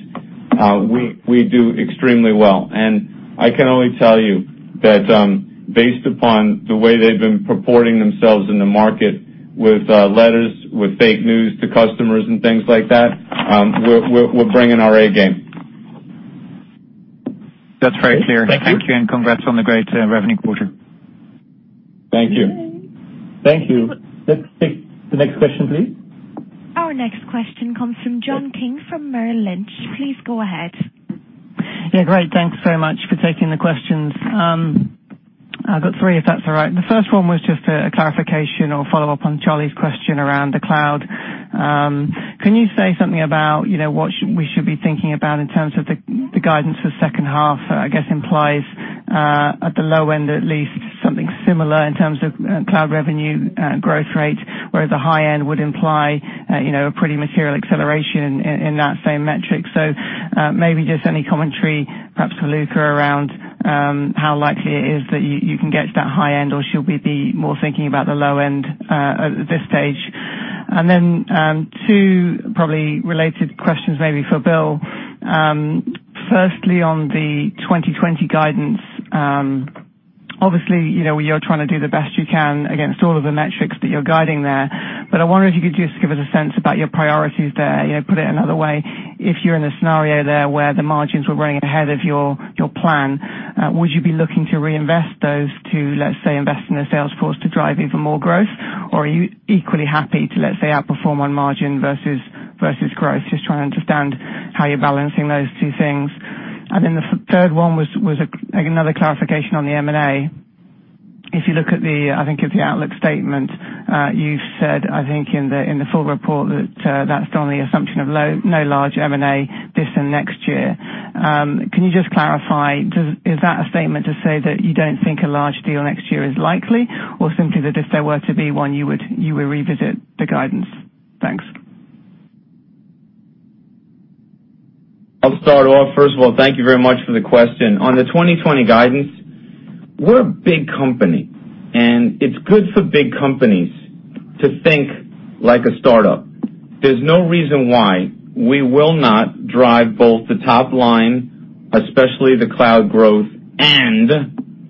we do extremely well. I can only tell you that based upon the way they've been purporting themselves in the market with letters, with fake news to customers and things like that, we're bringing our A game. That's very clear. Thank you. Thank you. Congrats on the great revenue quarter. Thank you. Thank you. Let's take the next question, please. Our next question comes from John King from Merrill Lynch. Please go ahead. Yeah, great. Thanks very much for taking the questions. I've got three, if that's all right. The first one was just a clarification or follow-up on Charlie's question around the cloud. Can you say something about what we should be thinking about in terms of the guidance for second half? I guess implies at the low end, at least, something similar in terms of cloud revenue growth rate, whereas the high end would imply a pretty material acceleration in that same metric. Maybe just any commentary, perhaps to Luka, around how likely it is that you can get to that high end, or should we be more thinking about the low end at this stage? Two probably related questions maybe for Bill. Firstly, on the 2020 guidance. Obviously, you're trying to do the best you can against all of the metrics that you're guiding there, I wonder if you could just give us a sense about your priorities there. Put it another way, if you're in a scenario there where the margins were running ahead of your plan, would you be looking to reinvest those to, let's say, invest in a sales force to drive even more growth? Are you equally happy to, let's say, outperform on margin versus growth? Just trying to understand how you're balancing those two things. The third one was another clarification on the M&A. If you look at the outlook statement, you've said in the full report that that's on the assumption of no large M&A this and next year. Can you just clarify, is that a statement to say that you don't think a large deal next year is likely? Or simply that if there were to be one, you would revisit the guidance? Thanks. I'll start off. First of all, thank you very much for the question. On the 2020 guidance, we're a big company, and it's good for big companies to think like a startup. There's no reason why we will not drive both the top line, especially the cloud growth, and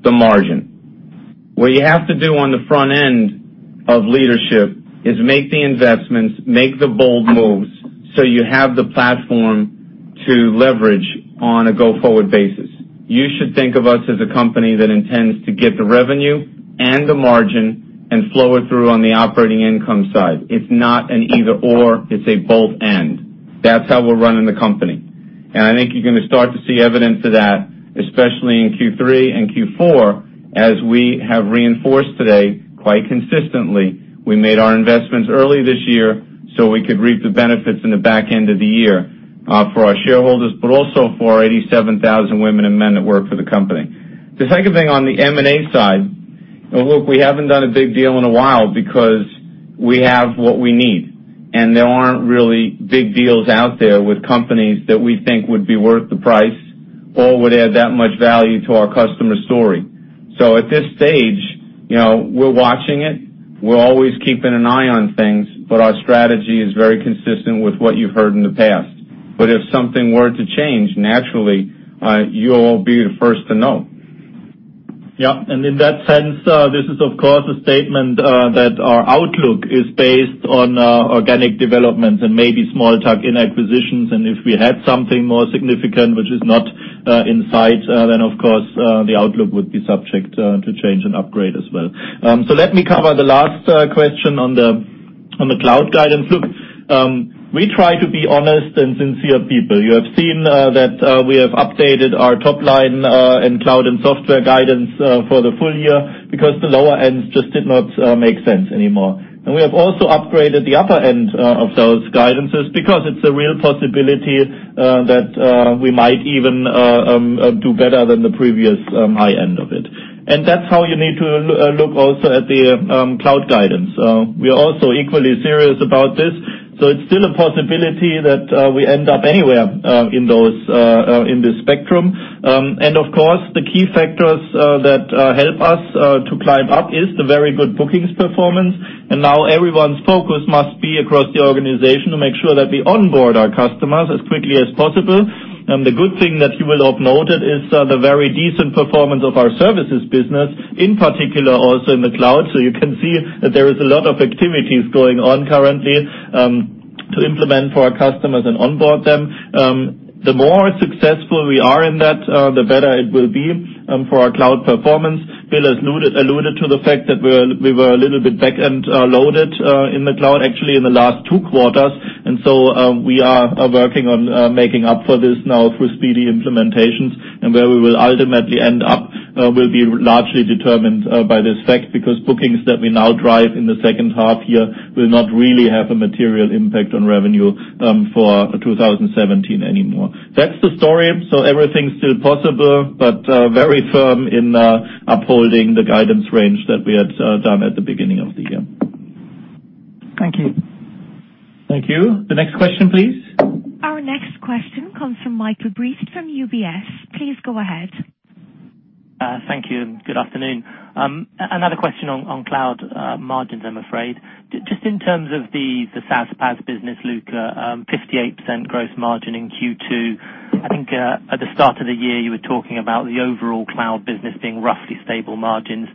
the margin. What you have to do on the front end of leadership is make the investments, make the bold moves, so you have the platform to leverage on a go-forward basis. You should think of us as a company that intends to get the revenue and the margin and flow it through on the operating income side. It's not an either/or. It's a both/and. That's how we're running the company. I think you're going to start to see evidence of that, especially in Q3 and Q4, as we have reinforced today quite consistently. We made our investments early this year so we could reap the benefits in the back end of the year for our shareholders, but also for our 87,000 women and men that work for the company. The second thing on the M&A side, look, we haven't done a big deal in a while because we have what we need, and there aren't really big deals out there with companies that we think would be worth the price or would add that much value to our customer story. At this stage, we're watching it. We're always keeping an eye on things, but our strategy is very consistent with what you've heard in the past. If something were to change, naturally, you'll all be the first to know. Yeah. In that sense, this is of course a statement that our outlook is based on organic developments and maybe small tuck-in acquisitions. If we had something more significant, which is not in sight, then of course the outlook would be subject to change and upgrade as well. Let me cover the last question on the cloud guidance. Look, we try to be honest and sincere people. You have seen that we have updated our top line in cloud and software guidance for the full year because the lower end just did not make sense anymore. We have also upgraded the upper end of those guidances because it's a real possibility that we might even do better than the previous high end of it. That's how you need to look also at the cloud guidance. We are also equally serious about this. It's still a possibility that we end up anywhere in this spectrum. Of course, the key factors that help us to climb up is the very good bookings performance. Now everyone's focus must be across the organization to make sure that we onboard our customers as quickly as possible. The good thing that you will have noted is the very decent performance of our services business, in particular also in the cloud. You can see that there is a lot of activities going on currently to implement for our customers and onboard them. The more successful we are in that, the better it will be for our cloud performance. Bill has alluded to the fact that we were a little bit back-end loaded in the cloud, actually in the last two quarters. We are working on making up for this now through speedy implementations. Where we will ultimately end up will be largely determined by this fact, because bookings that we now drive in the second half year will not really have a material impact on revenue for 2017 anymore. That's the story. Everything's still possible, but very firm in upholding the guidance range that we had done at the beginning of the year. Thank you. Thank you. The next question, please. Our next question comes from Michael Briest from UBS. Please go ahead. Thank you. Good afternoon. Another question on cloud margins, I'm afraid. Just in terms of the SaaS, PaaS business, Luka, 58% gross margin in Q2. I think at the start of the year, you were talking about the overall cloud business being roughly stable margins.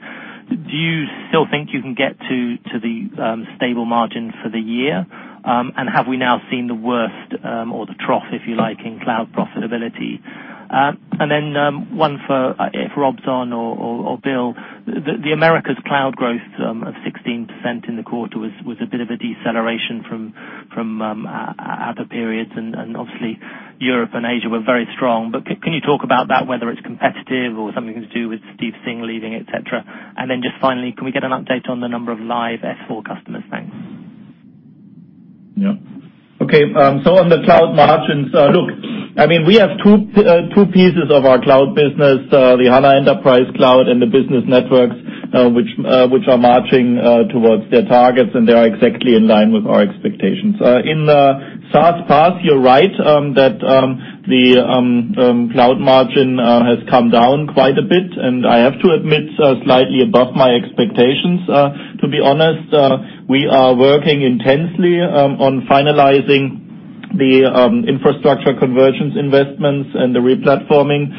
Do you still think you can get to the stable margin for the year? Have we now seen the worst or the trough, if you like, in cloud profitability? One for if Rob's on or Bill. The Americas cloud growth of 16% in the quarter was a bit of a deceleration from other periods, obviously Europe and Asia were very strong. Can you talk about that, whether it's competitive or something to do with Steve Singh leaving, et cetera? Just finally, can we get an update on the number of live S/4 customers? Thanks. Okay. On the cloud margins, look, we have two pieces of our cloud business, the HANA Enterprise Cloud and the business networks, which are marching towards their targets, and they are exactly in line with our expectations. In SaaS PaaS, you're right that the cloud margin has come down quite a bit, and I have to admit, slightly above my expectations, to be honest. We are working intensely on finalizing the infrastructure convergence investments and the re-platforming.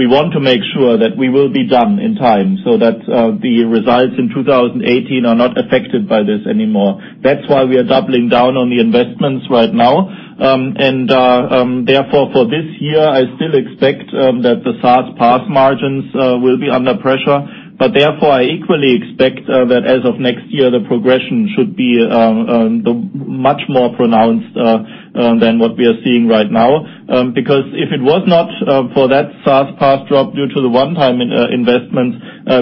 We want to make sure that we will be done in time, so that the results in 2018 are not affected by this anymore. That's why we are doubling down on the investments right now. Therefore, for this year, I still expect that the SaaS PaaS margins will be under pressure. Therefore, I equally expect that as of next year, the progression should be much more pronounced than what we are seeing right now. Because if it was not for that SaaS PaaS drop due to the one-time investment,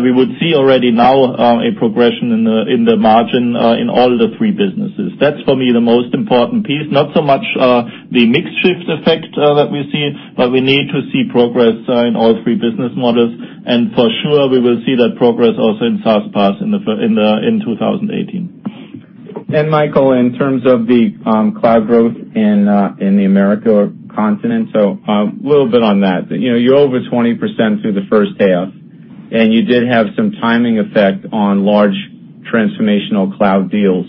we would see already now a progression in the margin in all of the three businesses. That's, for me, the most important piece. Not so much the mix shift effect that we see, but we need to see progress in all three business models. For sure, we will see that progress also in SaaS PaaS in 2018. Michael, in terms of the cloud growth in the America continent, a little bit on that. You are over 20% through the first half, and you did have some timing effect on large transformational cloud deals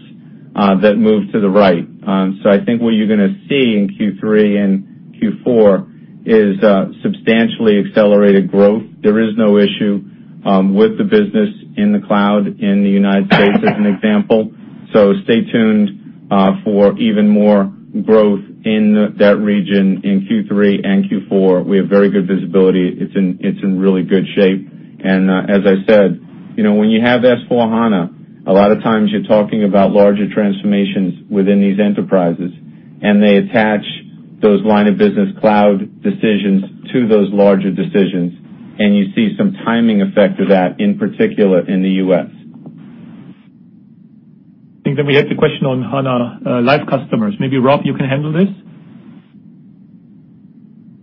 that moved to the right. I think what you are going to see in Q3 and Q4 is substantially accelerated growth. There is no issue with the business in the cloud in the U.S., as an example. Stay tuned for even more growth in that region in Q3 and Q4. We have very good visibility. It is in really good shape. As I said, when you have S/4HANA, a lot of times you are talking about larger transformations within these enterprises. They attach those line of business cloud decisions to those larger decisions, and you see some timing effect of that, in particular, in the U.S. I think that we had the question on HANA live customers. Maybe Rob, you can handle this?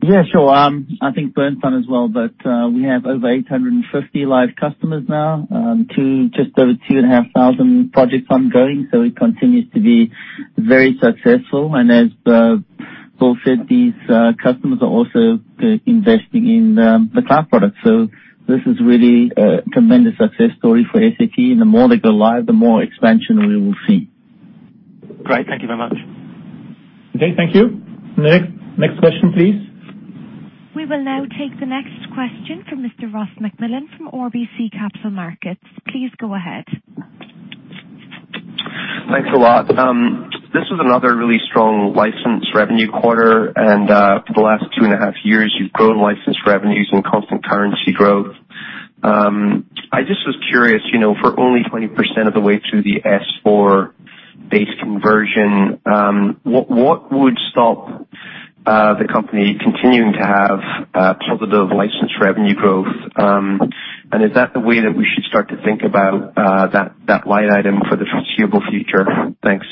Yeah, sure. I think Bernd can as well. We have over 850 live customers now. Just over 2,500 projects ongoing, it continues to be very successful. As Bill said, these customers are also investing in the cloud product. This is really a tremendous success story for SAP. The more they go live, the more expansion we will see. Great. Thank you very much. Okay, thank you. Next question, please. We will now take the next question from Mr. Ross MacMillan from RBC Capital Markets. Please go ahead. Thanks a lot. This was another really strong license revenue quarter, for the last two and a half years, you've grown license revenues and constant currency growth. I just was curious, for only 20% of the way through the S/4 base conversion, what would stop the company continuing to have positive license revenue growth? Is that the way that we should start to think about that line item for the foreseeable future? Thanks.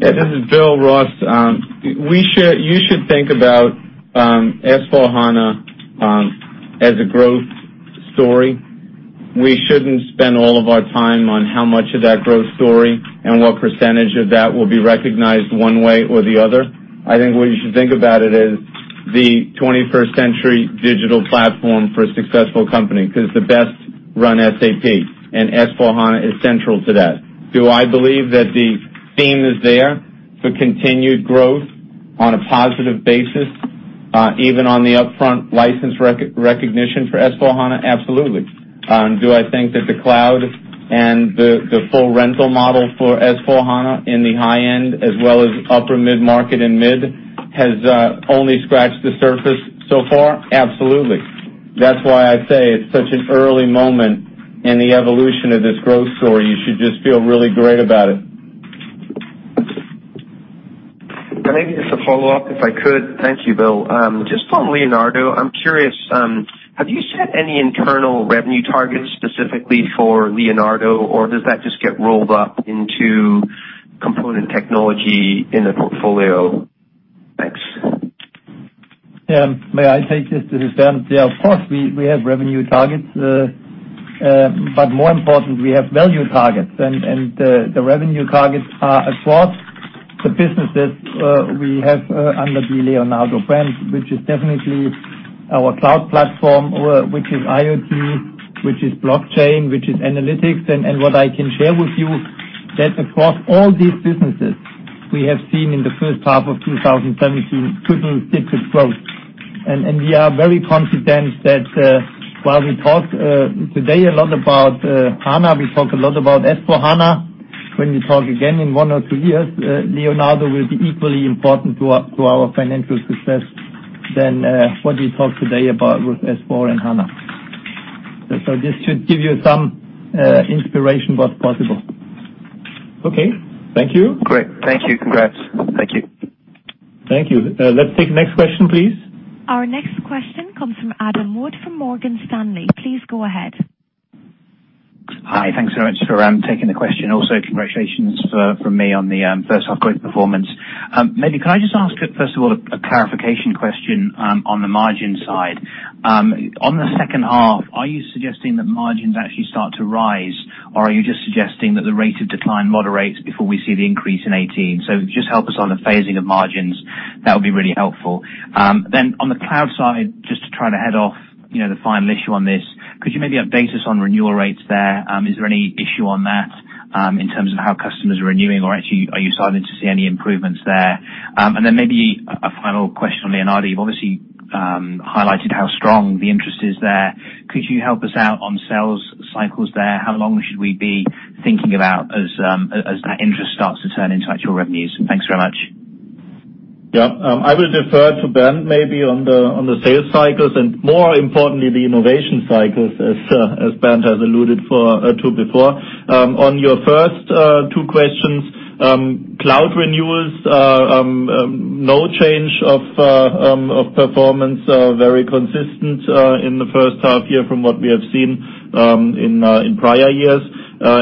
This is Bill, Ross. You should think about S/4HANA as a growth story. We shouldn't spend all of our time on how much of that growth story and what percentage of that will be recognized one way or the other. I think what you should think about it is the 21st century digital platform for a successful company, because it's the Run Simple SAP, and S/4HANA is central to that. Do I believe that the theme is there for continued growth on a positive basis, even on the upfront license recognition for S/4HANA? Absolutely. Do I think that the cloud and the full rental model for S/4HANA in the high end, as well as upper mid-market and mid, has only scratched the surface so far? Absolutely. That's why I say it's such an early moment in the evolution of this growth story. You should just feel really great about it. Maybe just a follow-up if I could. Thank you, Bill. Just on SAP Leonardo, I'm curious, have you set any internal revenue targets specifically for SAP Leonardo, or does that just get rolled up into component technology in the portfolio? Thanks. May I take this is Bernd. Yeah, of course, we have revenue targets. More important, we have value targets. The revenue targets are across the businesses we have under the SAP Leonardo brand, which is definitely our SAP Cloud Platform, which is IoT, which is blockchain, which is analytics. What I can share with you that across all these businesses, we have seen in the first half of 2017, triple digit growth. We are very confident that while we talk today a lot about SAP HANA, we talk a lot about SAP S/4HANA. When we talk again in one or two years, SAP Leonardo will be equally important to our financial success than what we talk today about with S/4 and SAP HANA. This should give you some inspiration what's possible. Okay. Thank you. Great. Thank you. Congrats. Thank you. Thank you. Let's take the next question, please. Our next question comes from Adam Wood from Morgan Stanley. Please go ahead. Hi. Thanks very much for taking the question. Also, congratulations from me on the first half growth performance. Could I just ask, first of all, a clarification question on the margin side. On the second half, are you suggesting that margins actually start to rise, or are you just suggesting that the rate of decline moderates before we see the increase in 2018? Just help us on the phasing of margins. That would be really helpful. On the cloud side, just to try to head off the final issue on this, could you maybe update us on renewal rates there? Is there any issue on that in terms of how customers are renewing or actually are you starting to see any improvements there? And then maybe a final question on Leonardo. You've obviously highlighted how strong the interest is there. Could you help us out on sales cycles there? How long should we be thinking about as that interest starts to turn into actual revenues? Thanks very much. Yeah. I will defer to Bernd maybe on the sales cycles and more importantly, the innovation cycles as Bernd has alluded to before. On your first two questions, cloud renewals, no change of performance, very consistent in the first half year from what we have seen in prior years.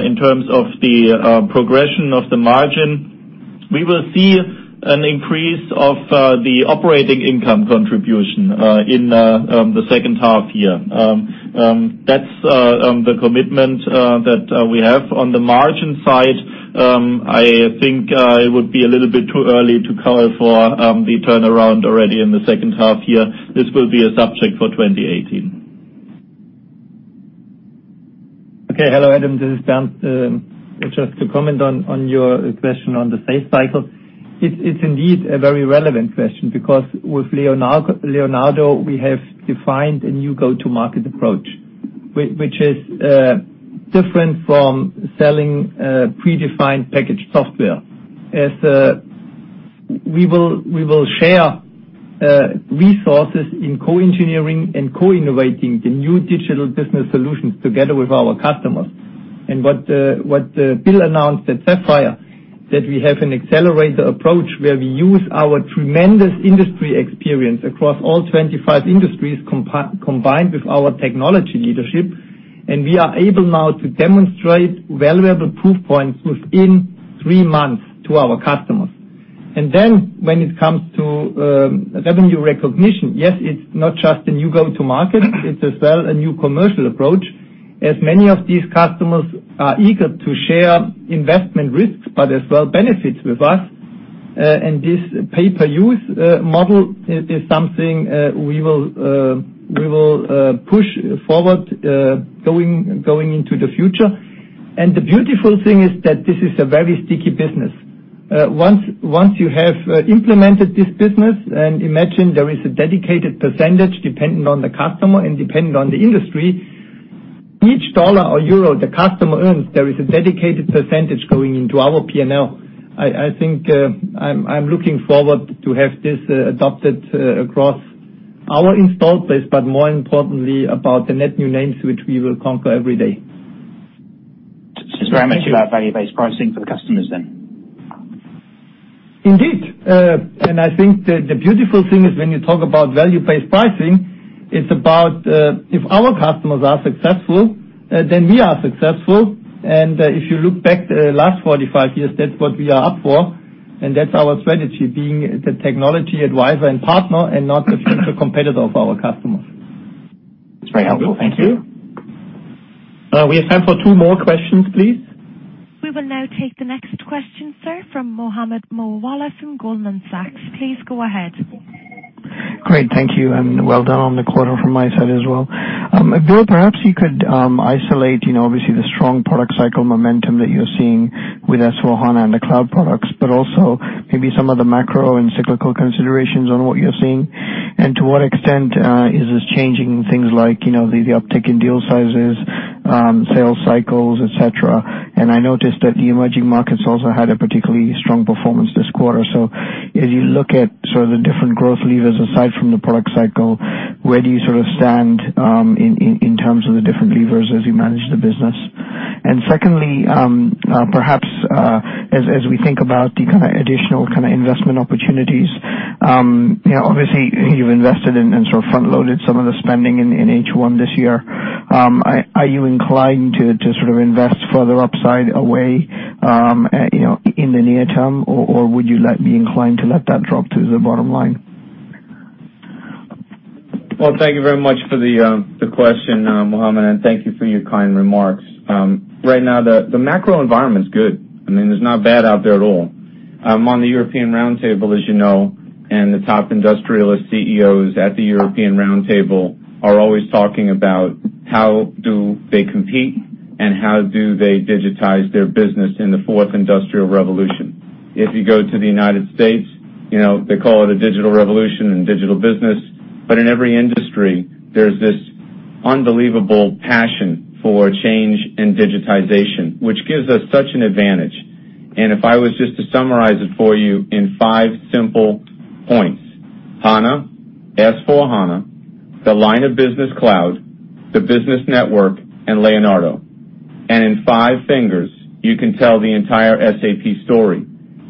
In terms of the progression of the margin, we will see an increase of the operating income contribution in the second half year. That's the commitment that we have. On the margin side, I think it would be a little bit too early to call for the turnaround already in the second half year. This will be a subject for 2018. Okay. Hello, Adam, this is Bernd. Just to comment on your question on the sales cycle. It is indeed a very relevant question because with SAP Leonardo, we have defined a new go-to-market approach, which is different from selling predefined packaged software. We will share resources in co-engineering and co-innovating the new digital business solutions together with our customers. What Bill announced at SAP Sapphire, that we have an accelerator approach where we use our tremendous industry experience across all 25 industries, combined with our technology leadership, and we are able now to demonstrate valuable proof points within three months to our customers. When it comes to revenue recognition, yes, it is not just a new go-to-market, it is as well a new commercial approach, as many of these customers are eager to share investment risks, but as well benefits with us. This pay-per-use model is something we will push forward going into the future. The beautiful thing is that this is a very sticky business. Once you have implemented this business, and imagine there is a dedicated percentage depending on the customer and depending on the industry, each dollar or euro the customer earns, there is a dedicated percentage going into our P&L. I am looking forward to have this adopted across our installed base, but more importantly about the net new names which we will conquer every day. It is very much about value-based pricing for the customers then. Indeed. I think the beautiful thing is when you talk about value-based pricing, it is about if our customers are successful, then we are successful. If you look back the last 45 years, that is what we are up for, and that is our strategy, being the technology advisor and partner, and not the central competitor of our customers. That's very helpful. Thank you. We have time for two more questions, please. We will now take the next question, sir, from Mohammed Moawalla from Goldman Sachs. Please go ahead. Great. Thank you, and well done on the quarter from my side as well. Bill, perhaps you could isolate, obviously the strong product cycle momentum that you're seeing with S/4HANA and the cloud products, but also maybe some of the macro and cyclical considerations on what you're seeing, and to what extent is this changing things like the uptick in deal sizes, sales cycles, et cetera. I noticed that the emerging markets also had a particularly strong performance this quarter. As you look at sort of the different growth levers aside from the product cycle, where do you sort of stand in terms of the different levers as you manage the business? Secondly, perhaps, as we think about the kind of additional kind of investment opportunities, obviously you've invested in and sort of front-loaded some of the spending in H1 this year. Are you inclined to sort of invest further upside away in the near term, or would you be inclined to let that drop to the bottom line? Well, thank you very much for the question, Mohammed, and thank you for your kind remarks. Right now, the macro environment is good. I mean, it's not bad out there at all. I'm on the European Round Table, as you know, and the top industrialist CEOs at the European Round Table are always talking about how do they compete and how do they digitize their business in the fourth industrial revolution. If you go to the United States, they call it a digital revolution and digital business. In every industry, there's this unbelievable passion for change and digitization, which gives us such an advantage. If I was just to summarize it for you in five simple points, HANA, S/4HANA, the line of business cloud, the business network, and Leonardo. In five fingers, you can tell the entire SAP story.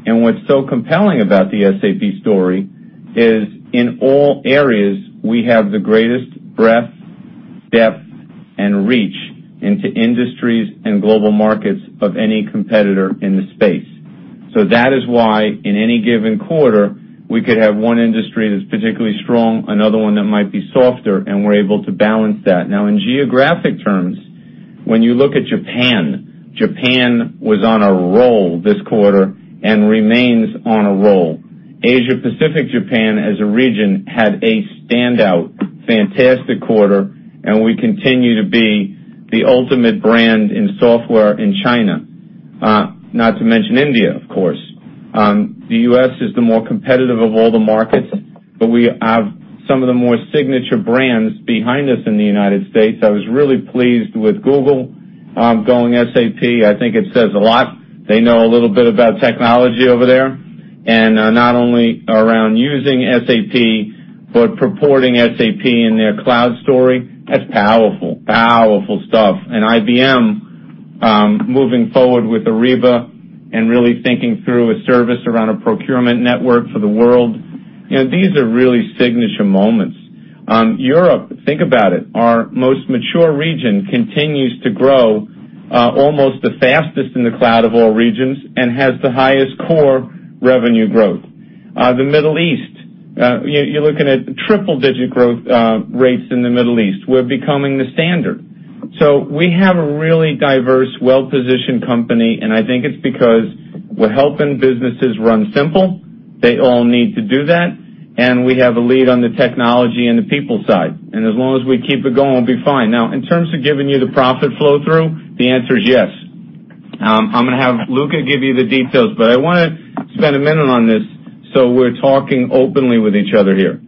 What's so compelling about the SAP story is in all areas, we have the greatest breadth, depth, and reach into industries and global markets of any competitor in the space. That is why, in any given quarter, we could have one industry that's particularly strong, another one that might be softer, and we're able to balance that. Now, in geographic terms, when you look at Japan was on a roll this quarter and remains on a roll. Asia-Pacific, Japan as a region, had a standout fantastic quarter, and we continue to be the ultimate brand in software in China. Not to mention India, of course. The U.S. is the more competitive of all the markets, but we have some of the more signature brands behind us in the United States. I was really pleased with Google going SAP. I think it says a lot. They know a little bit about technology over there. Not only around using SAP, but purporting SAP in their cloud story. That's powerful stuff. IBM, moving forward with Ariba and really thinking through a service around a procurement network for the world. These are really signature moments. Europe, think about it. Our most mature region continues to grow, almost the fastest in the cloud of all regions and has the highest core revenue growth. The Middle East, you're looking at triple-digit growth rates in the Middle East. We're becoming the standard. We have a really diverse, well-positioned company, and I think it's because we're helping businesses Run Simple. They all need to do that, and we have a lead on the technology and the people side. As long as we keep it going, we'll be fine. In terms of giving you the profit flow-through, the answer is yes. I'm going to have Luka give you the details, but I want to spend a minute on this, so we're talking openly with each other here.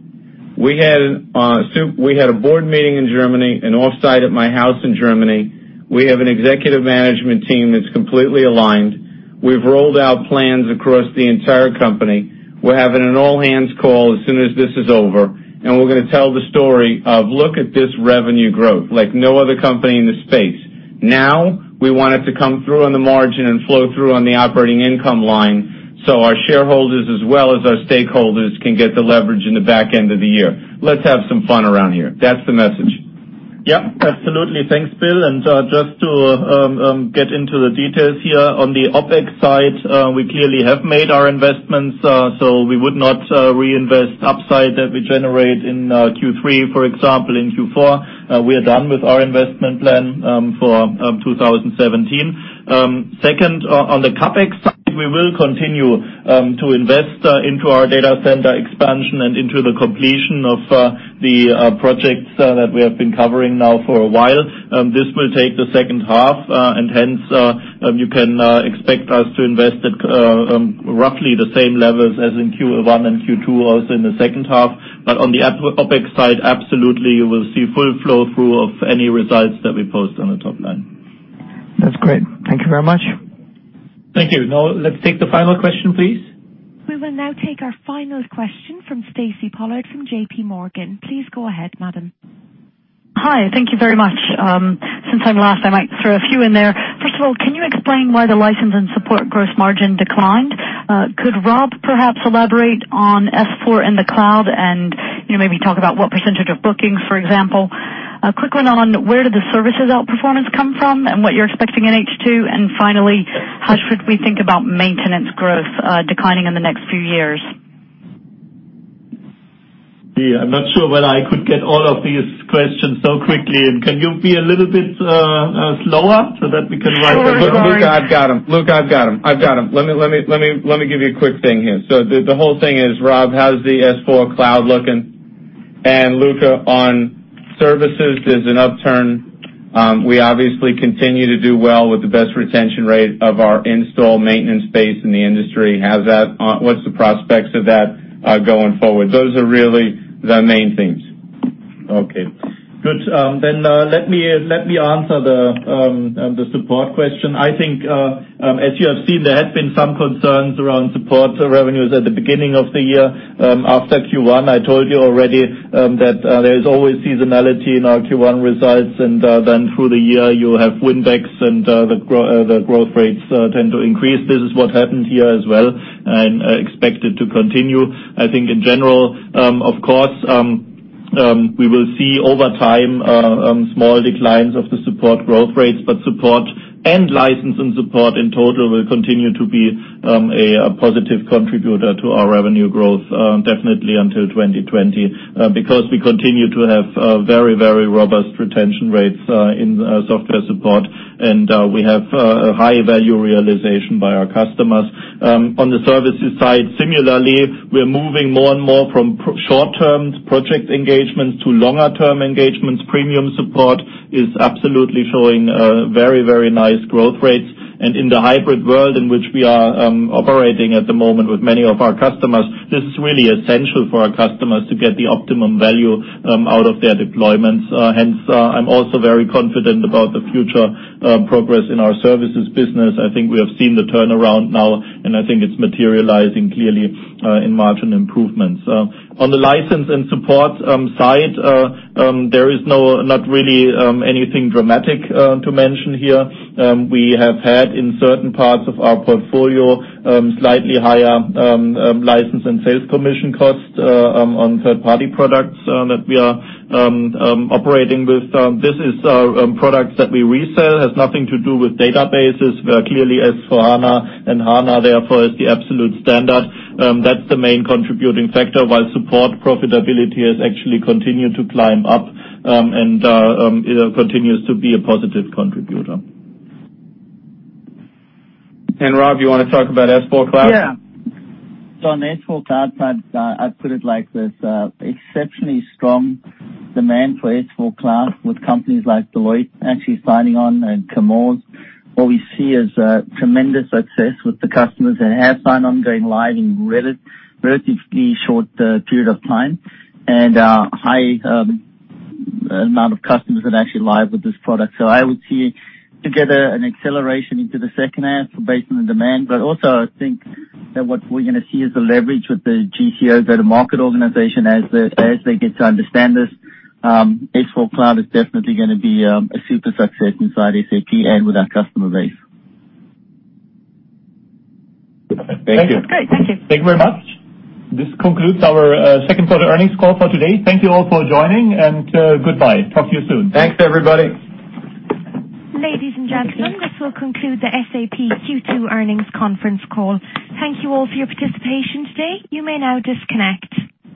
We had a board meeting in Germany, an offsite at my house in Germany. We have an executive management team that's completely aligned. We've rolled out plans across the entire company. We're having an all-hands call as soon as this is over, and we're going to tell the story of look at this revenue growth, like no other company in the space. We want it to come through on the margin and flow through on the operating income line, so our shareholders as well as our stakeholders can get the leverage in the back end of the year. Let's have some fun around here. That's the message. Yep, absolutely. Thanks, Bill. Just to get into the details here. On the OpEx side, we clearly have made our investments, so we would not reinvest upside that we generate in Q3, for example, in Q4. We are done with our investment plan for 2017. Second, on the CapEx side, we will continue to invest into our data center expansion and into the completion of the projects that we have been covering now for a while. This will take the second half, and hence, you can expect us to invest at roughly the same levels as in Q1 and Q2 also in the second half. On the OpEx side, absolutely, you will see full flow-through of any results that we post on the top line. That's great. Thank you very much. Thank you. Let's take the final question, please. We will now take our final question from Stacy Pollard from J.P. Morgan. Please go ahead, madam. Hi. Thank you very much. Since I'm last, I might throw a few in there. First of all, can you explain why the license and support gross margin declined? Could Rob perhaps elaborate on S/4 in the cloud and maybe talk about what % of bookings, for example? Quickly on where did the services outperformance come from and what you're expecting in H2. Finally, how should we think about maintenance growth declining in the next few years? Yeah, I'm not sure whether I could get all of these questions so quickly. Can you be a little bit slower so that we can write them? Luka, I've got them. I've got them. Let me give you a quick thing here. The whole thing is, Rob, how's the S/4 cloud looking? Luka, on services, there's an upturn. We obviously continue to do well with the best retention rate of our installed maintenance base in the industry. What's the prospects of that going forward? Those are really the main things. Okay, good. Let me answer the support question. I think, as you have seen, there has been some concerns around support revenues at the beginning of the year. After Q1, I told you already that there is always seasonality in our Q1 results, and through the year, you have [Windex] and the growth rates tend to increase. This is what happened here as well, and I expect it to continue. I think in general, of course, we will see over time, small declines of the support growth rates, but support and license and support in total will continue to be a positive contributor to our revenue growth, definitely until 2020, because we continue to have very robust retention rates in software support, and we have a high-value realization by our customers. On the services side, similarly, we're moving more and more from short-term project engagements to longer-term engagements. Premium support is absolutely showing very nice growth rates. In the hybrid world in which we are operating at the moment with many of our customers, this is really essential for our customers to get the optimum value out of their deployments. Hence, I'm also very confident about the future progress in our services business. I think we have seen the turnaround now, it's materializing clearly in margin improvements. On the license and support side, there is not really anything dramatic to mention here. We have had in certain parts of our portfolio, slightly higher license and sales commission costs on third-party products that we are operating with. This is products that we resell. It has nothing to do with databases. Clearly, S/4HANA and HANA, therefore, is the absolute standard. That's the main contributing factor, while support profitability has actually continued to climb up and continues to be a positive contributor. Rob, you want to talk about S/4 cloud? On the S/4 Cloud side, I'd put it like this. Exceptionally strong demand for S/4 Cloud with companies like Deloitte actually signing on and Kamaz. What we see is tremendous success with the customers that have signed on, going live in a relatively short period of time, and a high amount of customers that actually live with this product. I would see together an acceleration into the second half based on the demand. Also, I think that what we're going to see is the leverage with the GCO, go-to-market organization, as they get to understand this. S/4 Cloud is definitely going to be a super success inside SAP and with our customer base. Thank you. That's great. Thank you. Thank you very much. This concludes our second quarter earnings call for today. Thank you all for joining, and goodbye. Talk to you soon. Thanks, everybody. Ladies and gentlemen, this will conclude the SAP Q2 earnings conference call. Thank you all for your participation today. You may now disconnect.